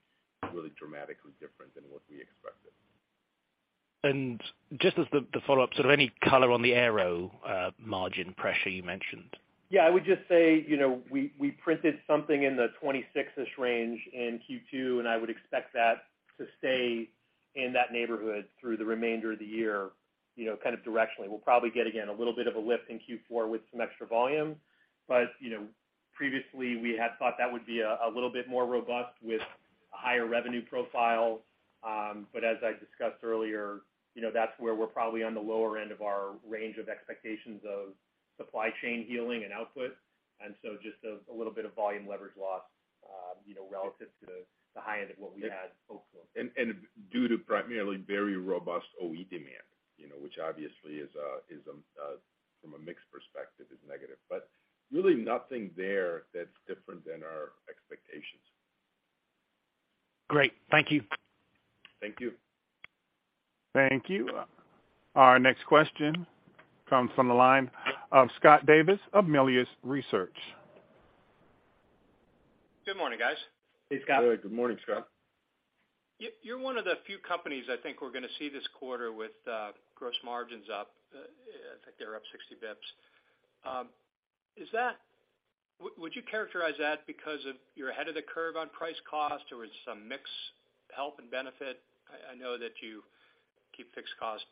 really dramatically different than what we expected. Just as the follow-up, sort of any color on the Aero margin pressure you mentioned? Yeah, I would just say, you know, we printed something in the 26%-ish range in Q2, and I would expect that to stay in that neighborhood through the remainder of the year, you know, kind of directionally. We'll probably get again a little bit of a lift in Q4 with some extra volume. You know, previously we had thought that would be a little bit more robust with a higher revenue profile. As I discussed earlier, you know, that's where we're probably on the lower end of our range of expectations of supply chain healing and output. Just a little bit of volume leverage loss, you know, relative to the high end of what we had hoped for. Due to primarily very robust OE demand, you know, which obviously is from a mix perspective, is negative. Really nothing there that's different than our expectations. Great. Thank you. Thank you. Thank you. Our next question comes from the line of Scott Davis of Melius Research. Good morning, guys. Hey, Scott. Good morning, Scott. You're one of the few companies I think we're gonna see this quarter with gross margins up. I think they're up 60 basis points. Would you characterize that because of you're ahead of the curve on price cost or it's some mix help and benefit? I know that you keep fixed cost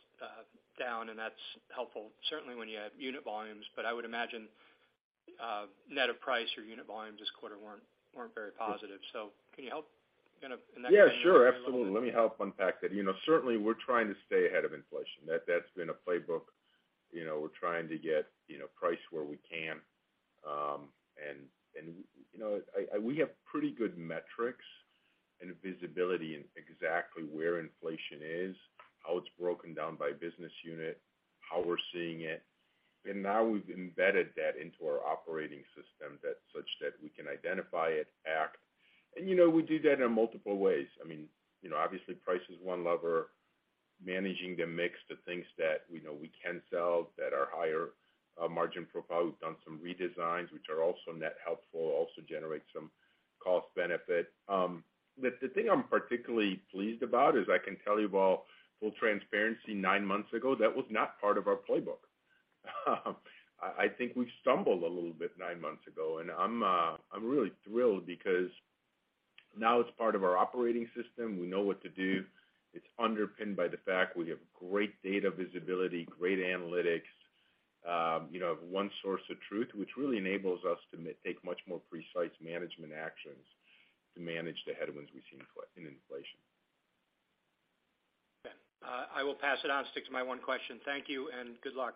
down and that's helpful certainly when you have unit volumes. I would imagine, net of price, your unit volumes this quarter weren't very positive. Can you help kind of in that- Yeah, sure. Absolutely. Let me help unpack that. You know, certainly we're trying to stay ahead of inflation. That, that's been a playbook. You know, we're trying to get you know, price where we can. And you know, we have pretty good metrics and visibility in exactly where inflation is, how it's broken down by business unit, how we're seeing it. Now we've embedded that into our operating system that such that we can identify it, act. You know, we do that in multiple ways. I mean, you know, obviously price is one lever. Managing the mix to things that we know we can sell that are higher margin profile. We've done some redesigns which are also net helpful, also generate some cost benefit. The thing I'm particularly pleased about is I can tell you about full transparency nine months ago, that was not part of our playbook. I think we stumbled a little bit nine months ago, and I'm really thrilled because now it's part of our operating system. We know what to do. It's underpinned by the fact we have great data visibility, great analytics. You know, one source of truth, which really enables us to take much more precise management actions to manage the headwinds we've seen in inflation. Okay. I will pass it on, stick to my one question. Thank you and good luck.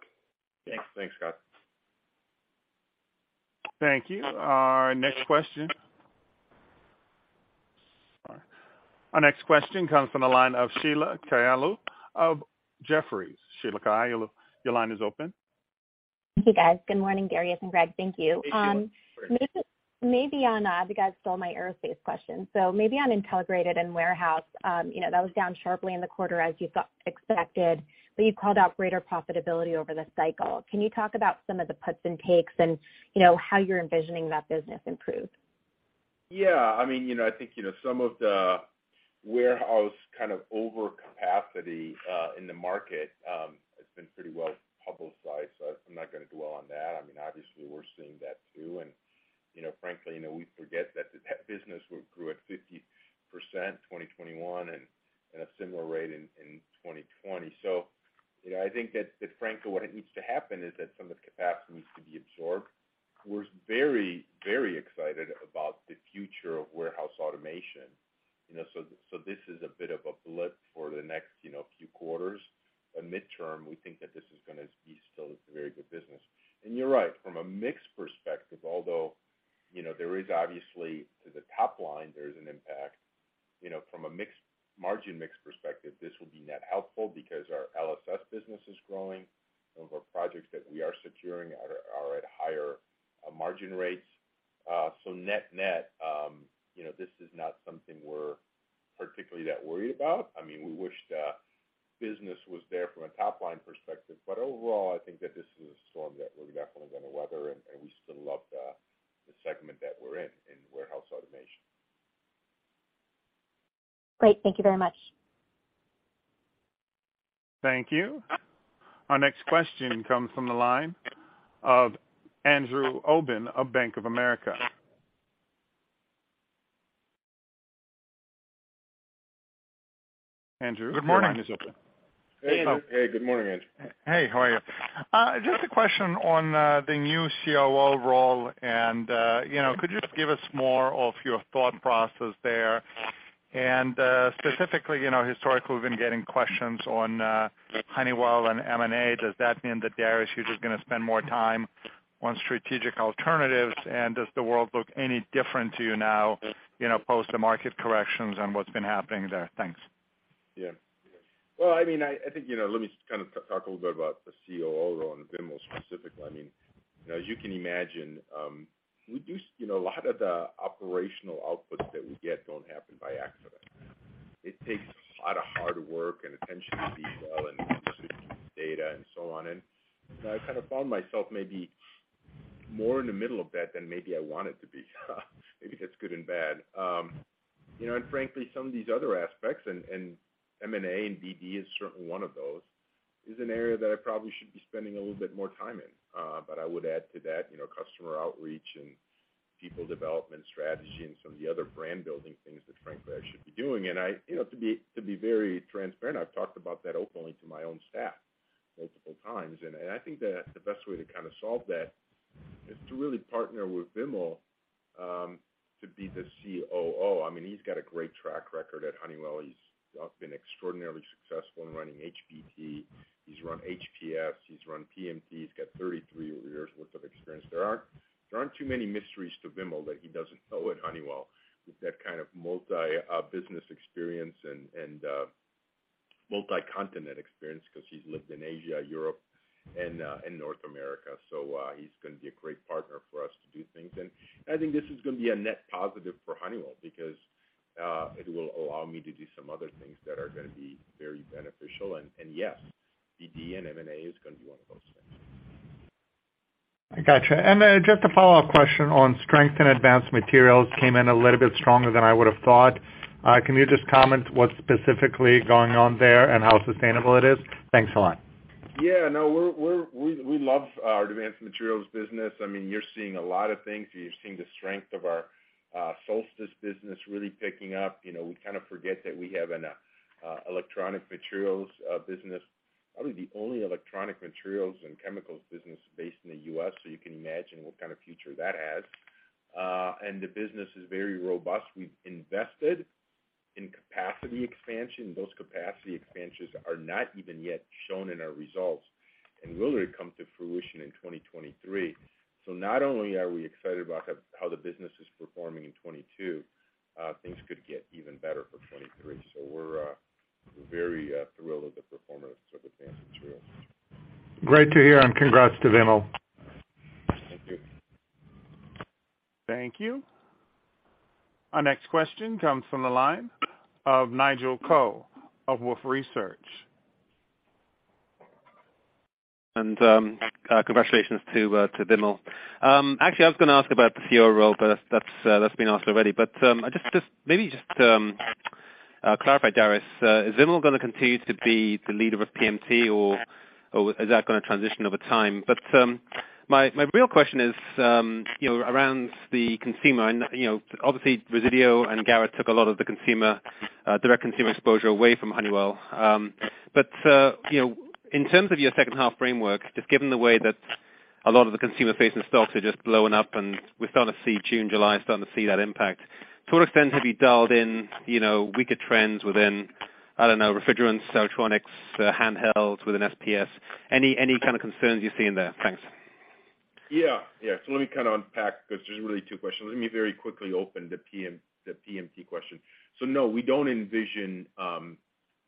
Thanks. Thanks, Scott. Thank you. Our next question comes from the line of Sheila Kahyaoglu of Jefferies. Sheila Kahyaoglu, your line is open. Hey, guys. Good morning, Darius and Greg. Thank you. Hey, Sheila. Maybe on, you guys stole my Aerospace question. Maybe on Intelligrated and Warehouse, you know, that was down sharply in the quarter as you expected, but you called out greater profitability over the cycle. Can you talk about some of the puts and takes and, you know, how you're envisioning that business improve? Yeah. I mean, you know, I think, you know, some of the warehouse kind of overcapacity in the market has been pretty well publicized, so I'm not gonna dwell on that. I mean, obviously we're seeing that too. You know, frankly, you know, we forget that the business grew at 50% in 2021 and a similar rate in 2020. You know, I think that frankly, what it needs to happen is that some of the capacity needs to be absorbed. We're very excited about the future of warehouse automation, you know. This is a bit of a blip for the next, you know, few quarters. Midterm, we think that this is gonna be still a very good business. You're right, from a mix perspective, although, you know, there is obviously, to the top line, there is an impact, you know, from a mix-margin mix perspective, this will be net helpful because our LSS business is growing. Some of our projects that we are securing are at higher margin rates. So net-net, you know, this is not something we're particularly that worried about. I mean, we wish the business was there from a top-line perspective, but overall, I think that this is a storm that we're definitely gonna weather, and we still love the segment that we're in warehouse automation. Great. Thank you very much. Thank you. Our next question comes from the line of Andrew Obin of Bank of America. Andrew, your line is open. Good morning. Hey, Andrew. Hey, good morning, Andrew. Hey, how are you? Just a question on the new COO role and you know, could you just give us more of your thought process there? Specifically, you know, historically, we've been getting questions on Honeywell and M&A. Does that mean that Darius, you're just gonna spend more time on strategic alternatives? Does the world look any different to you now, you know, post the market corrections and what's been happening there? Thanks. Yeah. Well, I mean, I think, you know, let me kind of talk a little bit about the COO role and Vimal specifically. I mean, as you can imagine, we do, you know, a lot of the operational outputs that we get don't happen by accident. It takes a lot of hard work and attention to detail and data and so on. I kind of found myself maybe more in the middle of that than maybe I wanted to be. Maybe that's good and bad. You know, and frankly, some of these other aspects, and M&A and BD is certainly one of those, is an area that I probably should be spending a little bit more time in. I would add to that, you know, customer outreach and people development strategy and some of the other brand building things that frankly I should be doing. I, you know, to be very transparent, I've talked about that openly to my own staff multiple times. I think that the best way to kind of solve that is to really partner with Vimal to be the COO. I mean, he's got a great track record at Honeywell. He's been extraordinarily successful in running HBT. He's run HPS, he's run PMT. He's got 33 years worth of experience. There aren't too many mysteries to Vimal that he doesn't know at Honeywell with that kind of multi-business experience and multi-continent experience because he's lived in Asia, Europe, and North America. He's gonna be a great partner for us to do things. I think this is gonna be a net positive for Honeywell because it will allow me to do some other things that are gonna be very beneficial. Yes, BD and M&A is gonna be one of those things. I got you. Just a follow-up question on strength in Advanced Materials came in a little bit stronger than I would have thought. Can you just comment what's specifically going on there and how sustainable it is? Thanks a lot. Yeah, no. We love our Advanced Materials business. I mean, you're seeing a lot of things. You're seeing the strength of our Solstice business really picking up. You know, we kind of forget that we have an electronic materials business, probably the only electronic materials and chemicals business based in the U.S., so you can imagine what kind of future that has. The business is very robust. We've invested in capacity expansion. Those capacity expansions are not even yet shown in our results and will really come to fruition in 2023. Not only are we excited about how the business is performing in 2022, things could get even better for 2023. We're very thrilled with the performance of Advanced Materials. Great to hear, and congrats to Vimal. Thank you. Thank you. Our next question comes from the line of Nigel Coe of Wolfe Research. Congratulations to Vimal. Actually, I was gonna ask about the COO role, but that's been asked already. I just maybe clarify, Darius. Is Vimal gonna continue to be the leader of PMT, or is that gonna transition over time? My real question is, you know, around the consumer and, you know, obviously Resideo and Garrett took a lot of the consumer, direct consumer exposure away from Honeywell. You know, in terms of your second half framework, just given the way that a lot of the consumer-facing stocks are just blowing up, and we're starting to see June, July, starting to see that impact. To what extent have you dialed in, you know, weaker trends within, I don't know, refrigerants, electronics, handhelds with an SPS? Any kind of concerns you see in there? Thanks. Yeah. Yeah. Let me kind of unpack 'cause there's really two questions. Let me very quickly open the PMT question. No, we don't envision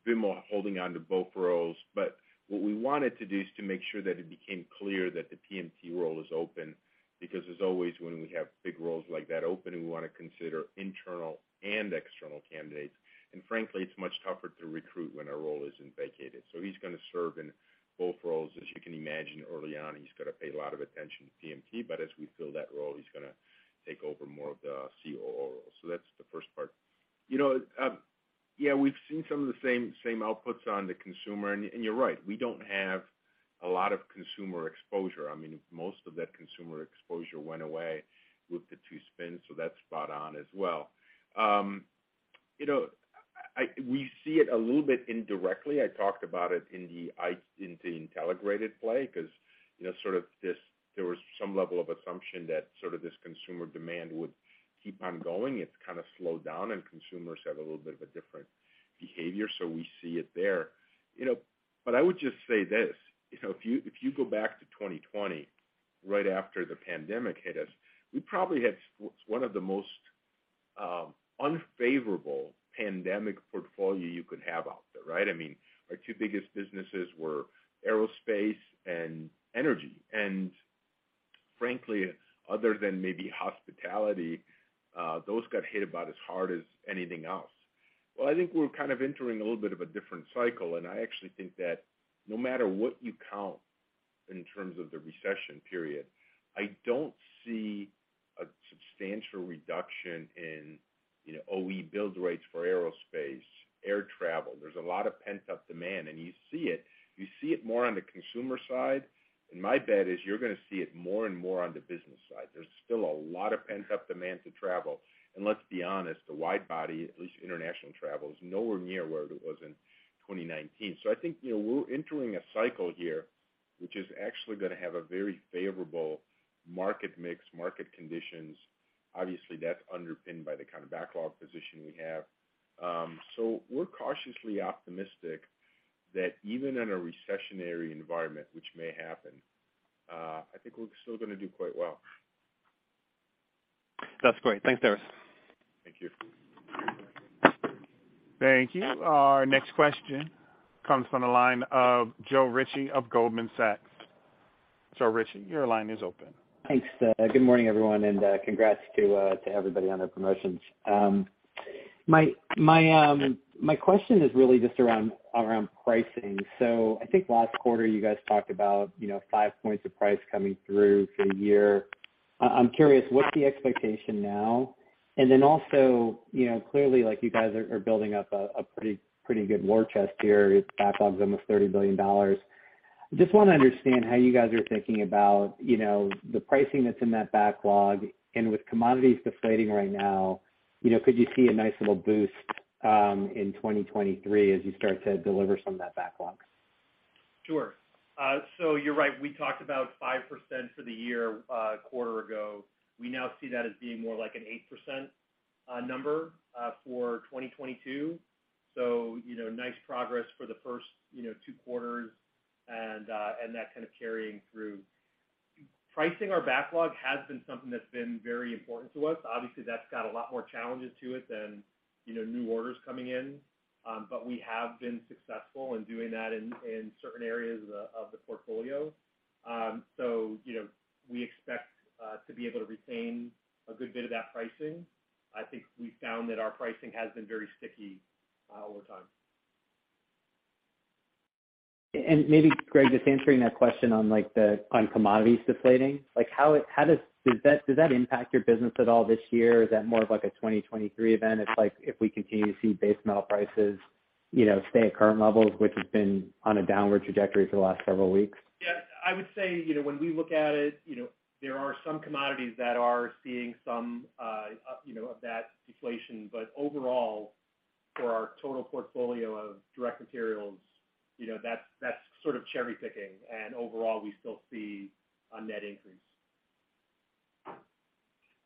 Vimal holding on to both roles, but what we wanted to do is to make sure that it became clear that the PMT role is open because as always, when we have big roles like that open, we wanna consider internal and external candidates. Frankly, it's much tougher to recruit when a role isn't vacated. He's gonna serve in both roles. As you can imagine, early on, he's gotta pay a lot of attention to PMT, but as we fill that role, he's gonna take over more of the COO role. That's the first part. You know, yeah, we've seen some of the same outputs on the consumer. You're right, we don't have a lot of consumer exposure. I mean, most of that consumer exposure went away with the two spins, so that's spot on as well. You know, we see it a little bit indirectly. I talked about it in the Intelligrated play 'cause, you know, sort of this, there was some level of assumption that sort of this consumer demand would keep on going. It's kind of slowed down, and consumers have a little bit of a different behavior, so we see it there. You know, but I would just say this, you know, if you, if you go back to 2020, right after the pandemic hit us, we probably had one of the most unfavorable pandemic portfolio you could have out there, right? I mean, our two biggest businesses were Aerospace and energy. Frankly, other than maybe hospitality, those got hit about as hard as anything else. Well, I think we're kind of entering a little bit of a different cycle, and I actually think that no matter what you count in terms of the recession period, I don't see a substantial reduction in, you know, OE build rates for aerospace, air travel. There's a lot of pent-up demand, and you see it. You see it more on the consumer side, and my bet is you're gonna see it more and more on the business side. There's still a lot of pent-up demand to travel. Let's be honest, the wide body, at least international travel, is nowhere near where it was in 2019. I think, you know, we're entering a cycle here which is actually gonna have a very favorable market mix, market conditions. Obviously, that's underpinned by the kind of backlog position we have. We're cautiously optimistic that even in a recessionary environment, which may happen, I think we're still gonna do quite well. That's great. Thanks, Darius. Thank you. Thank you. Our next question comes from the line of Joe Ritchie of Goldman Sachs. Joe Ritchie, your line is open. Thanks. Good morning, everyone, and congrats to everybody on their promotions. My question is really just around pricing. I think last quarter you guys talked about, you know, 5 points of price coming through for the year. I'm curious, what's the expectation now? Also, you know, clearly, like you guys are building up a pretty good war chest here. Backlog's almost $30 billion. Just wanna understand how you guys are thinking about, you know, the pricing that's in that backlog, and with commodities deflating right now, you know, could you see a nice little boost in 2023 as you start to deliver some of that backlog? Sure. You're right, we talked about 5% for the year, quarter ago. We now see that as being more like an 8% number for 2022. You know, nice progress for the first, you know, two quarters and that kind of carrying through. Pricing our backlog has been something that's been very important to us. Obviously, that's got a lot more challenges to it than, you know, new orders coming in. We have been successful in doing that in certain areas of the portfolio. You know, we expect to be able to retain a good bit of that pricing. I think we found that our pricing has been very sticky over time. Maybe, Greg, just answering that question on commodities deflating, like how does that impact your business at all this year, or is that more of like a 2023 event if we continue to see base metal prices, you know, stay at current levels, which has been on a downward trajectory for the last several weeks? Yeah. I would say, you know, when we look at it, you know, there are some commodities that are seeing some of that deflation. Overall, for our total portfolio of direct materials, you know, that's sort of cherry-picking, and overall, we still see a net increase.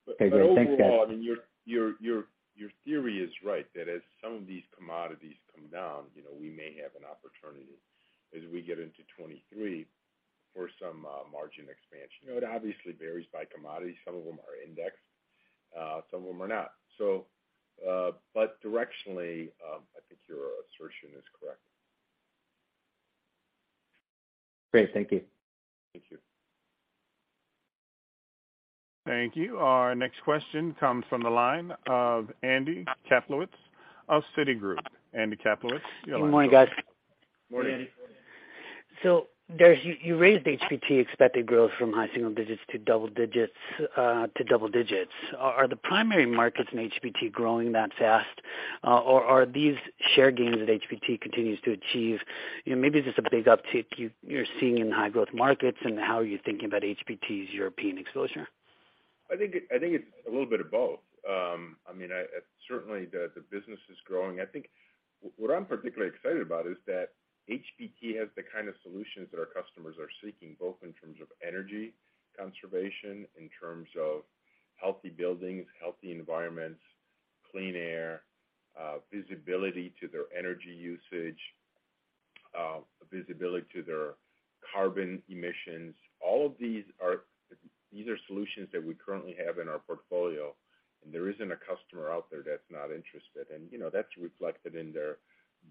Okay. Great. Thanks, guys. Overall, I mean, your theory is right, that as some of these commodities come down, you know, we may have an opportunity as we get into 2023 for some margin expansion. You know, it obviously varies by commodity. Some of them are indexed, some of them are not. But directionally, I think your assertion is correct. Great. Thank you. Thank you. Thank you. Our next question comes from the line of Andy Kaplowitz of Citigroup. Andy Kaplowitz, your line is open. Good morning, guys. Morning, Andy. Darius, you raised HBT expected growth from high single digits to double digits. Are the primary markets in HBT growing that fast? Or are these share gains that HBT continues to achieve, you know, maybe just a big uptick you're seeing in high growth markets and how you're thinking about HBT's European exposure? I think it's a little bit of both. I mean, certainly the business is growing. I think what I'm particularly excited about is that HBT has the kind of solutions that our customers are seeking, both in terms of energy conservation, in terms of healthy buildings, healthy environments, clean air, visibility to their energy usage, visibility to their carbon emissions. All of these are solutions that we currently have in our portfolio, and there isn't a customer out there that's not interested. You know, that's reflected in their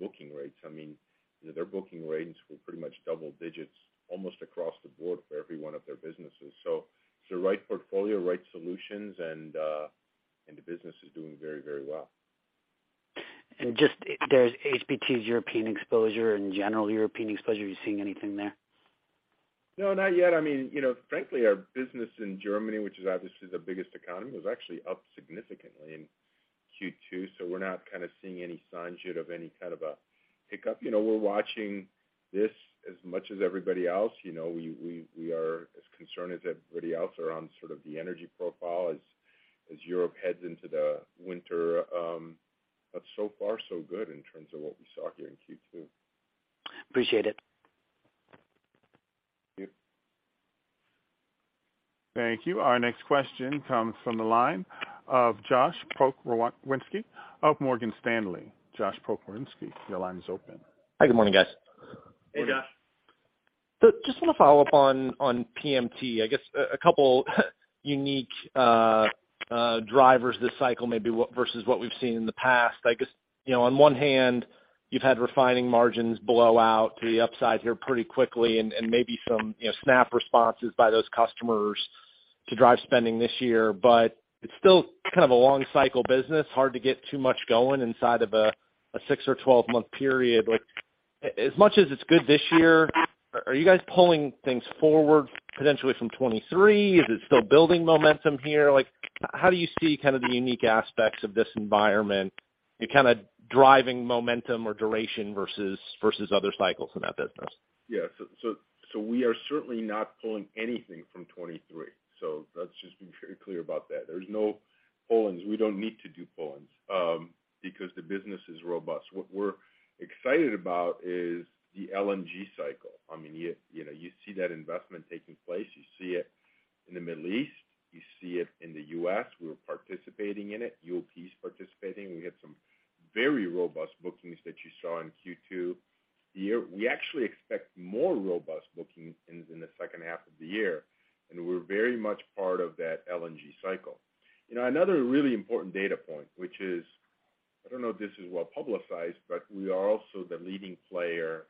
booking rates. I mean, you know, their booking rates were pretty much double digits almost across the board for every one of their businesses. It's the right portfolio, right solutions, and the business is doing very, very well. Just if there's HBT's European exposure and general European exposure, are you seeing anything there? No, not yet. I mean, you know, frankly, our business in Germany, which is obviously the biggest economy, was actually up significantly in Q2, so we're not kind of seeing any signs yet of any kind of a hiccup. You know, we're watching this as much as everybody else. You know, we are as concerned as everybody else around sort of the energy profile as Europe heads into the winter. So far so good in terms of what we saw here in Q2. Appreciate it. Thank you. Thank you. Our next question comes from the line of Josh Pokrzywinski of Morgan Stanley. Josh Pokrzywinski, your line is open. Hi, good morning, guys. Hey, Joshua. Just want to follow up on PMT. I guess a couple unique drivers this cycle maybe versus what we've seen in the past. I guess, you know, on one hand, you've had refining margins blow out to the upside here pretty quickly and maybe some, you know, snap responses by those customers to drive spending this year. But it's still kind of a long cycle business. Hard to get too much going inside of a six or 12-month period. Like, as much as it's good this year, are you guys pulling things forward potentially from 2023? Is it still building momentum here? Like how do you see kind of the unique aspects of this environment kind of driving momentum or duration versus other cycles in that business? Yeah. We are certainly not pulling anything from 2023. Let's just be very clear about that. There's no pull-ins. We don't need to do pull-ins, because the business is robust. What we're excited about is the LNG cycle. I mean, you know, you see that investment taking place. You see it in the Middle East. You see it in the U.S. We're participating in it. UOP's participating. We had some very robust bookings that you saw in Q2. We actually expect more robust bookings in the second half of the year, and we're very much part of that LNG cycle. You know, another really important data point, which is, I don't know if this is well publicized, but we are also the leading player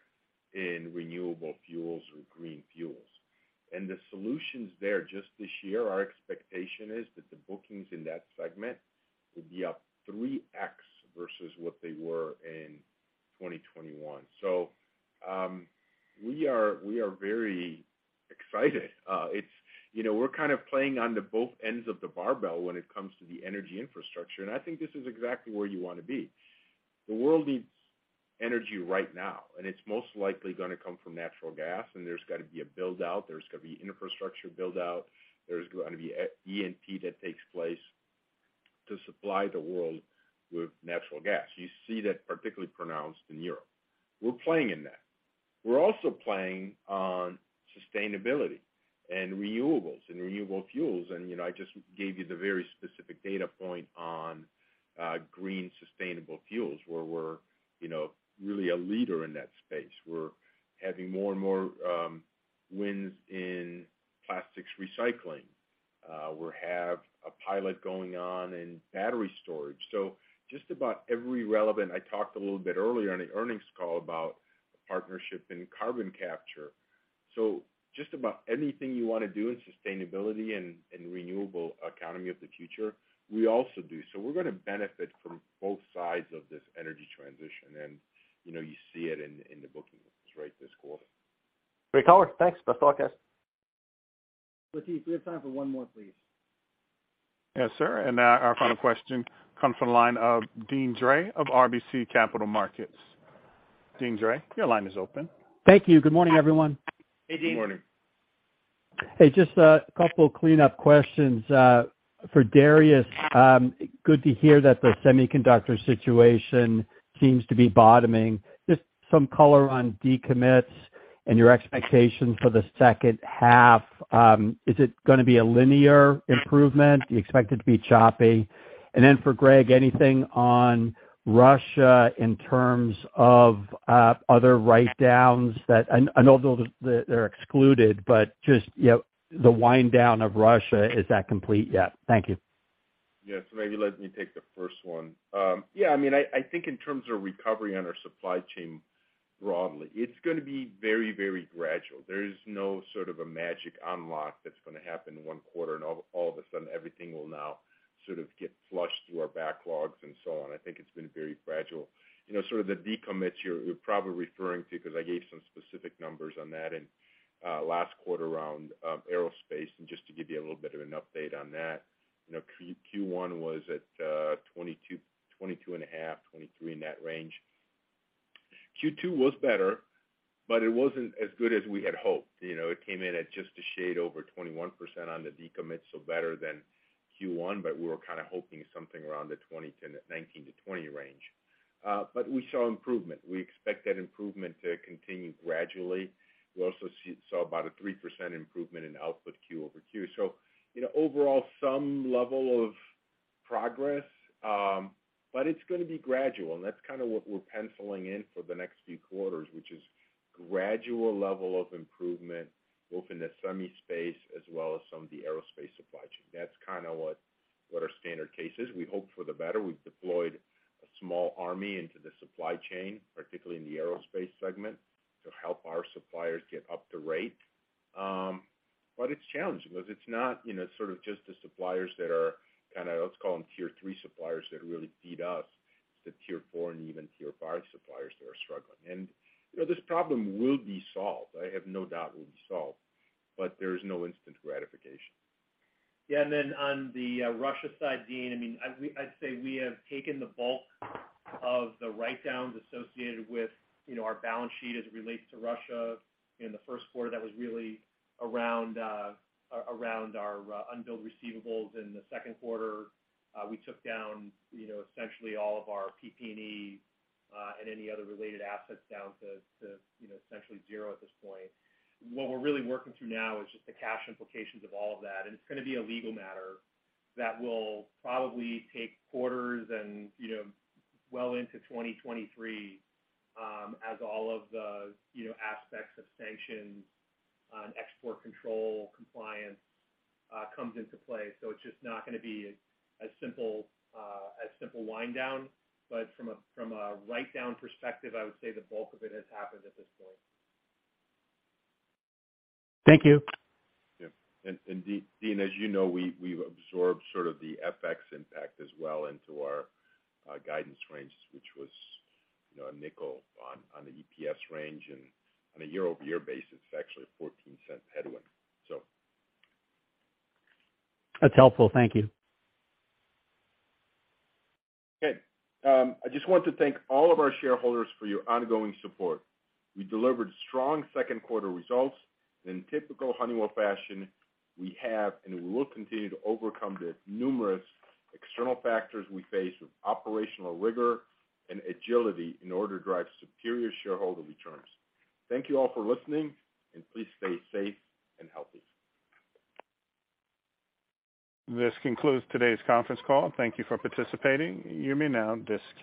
in renewable fuels or green fuels. The solutions there just this year, our expectation is that the bookings in that segment will be up 3x versus what they were in 2021. We are very excited. It's you know, we're kind of playing on the both ends of the barbell when it comes to the energy infrastructure, and I think this is exactly where you want to be. The world needs energy right now, and it's most likely gonna come from natural gas, and there's got to be a build-out. There's got to be infrastructure build-out. There's got to be E&P that takes place to supply the world with natural gas. You see that particularly pronounced in Europe. We're playing in that. We're also playing on sustainability and renewables and renewable fuels. You know, I just gave you the very specific data point on green sustainable fuels, where we're, you know, really a leader in that space. We're having more and more wins in plastics recycling. We have a pilot going on in battery storage. Just about every relevant. I talked a little bit earlier in the earnings call about partnership in carbon capture. Just about anything you wanna do in sustainability and renewable economy of the future, we also do. We're gonna benefit from both sides of this energy transition. You know, you see it in the booking rates this quarter. Great call. Thanks. Best forecast. Latif, we have time for one more, please. Yes, sir. Our final question comes from the line of Deane Dray of RBC Capital Markets. Deane Dray, your line is open. Thank you. Good morning, everyone. Hey, Deane. Good morning. Hey, just a couple cleanup questions for Darius. Good to hear that the semiconductor situation seems to be bottoming. Just some color on decommits and your expectations for the second half. Is it gonna be a linear improvement? Do you expect it to be choppy? For Greg, anything on Russia in terms of other write-downs that I know those are, they're excluded, but just, you know, the wind down of Russia, is that complete yet? Thank you. Yeah. Maybe let me take the first one. Yeah, I mean, I think in terms of recovery on our supply chain broadly, it's gonna be very, very gradual. There is no sort of a magic unlock that's gonna happen in one quarter and all of a sudden everything will now sort of get flushed through our backlogs and so on. I think it's been very gradual. You know, sort of the decommits you're probably referring to, because I gave some specific numbers on that in last quarter around Aerospace. Just to give you a little bit of an update on that. You know, Q1 was at $22, $22.5, $23 in that range. Q2 was better, but it wasn't as good as we had hoped. You know, it came in at just a shade over 21% on the decommit, so better than Q1, but we were kind of hoping something around the 19%-20% range. But we saw improvement. We expect that improvement to continue gradually. We also saw about a 3% improvement in output Q over Q. So, you know, overall, some level of progress, but it's gonna be gradual, and that's kind of what we're penciling in for the next few quarters, which is gradual level of improvement, both in the semi space as well as some of the aerospace supply chain. That's kind of what our standard case is. We hope for the better. We've deployed a small army into the supply chain, particularly in the aerospace segment, to help our suppliers get up to rate. It's challenging because it's not, you know, sort of just the suppliers that are kind of, let's call them Tier 3 suppliers that really feed us. It's the Tier 4 and even Tier 5 suppliers that are struggling. You know, this problem will be solved. I have no doubt it will be solved, but there is no instant gratification. Yeah, on the Russia side, Deane, I mean, I'd say we have taken the bulk of the write-downs associated with, you know, our balance sheet as it relates to Russia. In the first quarter, that was really around our unbilled receivables. In the second quarter, we took down, you know, essentially all of our PP&E and any other related assets down to, you know, essentially zero at this point. What we're really working through now is just the cash implications of all of that, and it's gonna be a legal matter that will probably take quarters and, you know, well into 2023, as all of the, you know, aspects of sanctions on export control compliance comes into play. It's just not gonna be a simple wind down. From a write-down perspective, I would say the bulk of it has happened at this point. Thank you. Deane, as you know, we've absorbed sort of the FX impact as well into our guidance ranges, which was, you know, a nickel on the EPS range. On a year-over-year basis, it's actually a $0.14 headwind. That's helpful. Thank you. Okay. I just want to thank all of our shareholders for your ongoing support. We delivered strong second quarter results. In typical Honeywell fashion, we have and we will continue to overcome the numerous external factors we face with operational rigor and agility in order to drive superior shareholder returns. Thank you all for listening, and please stay safe and healthy. This concludes today's conference call. Thank you for participating. You may now disconnect.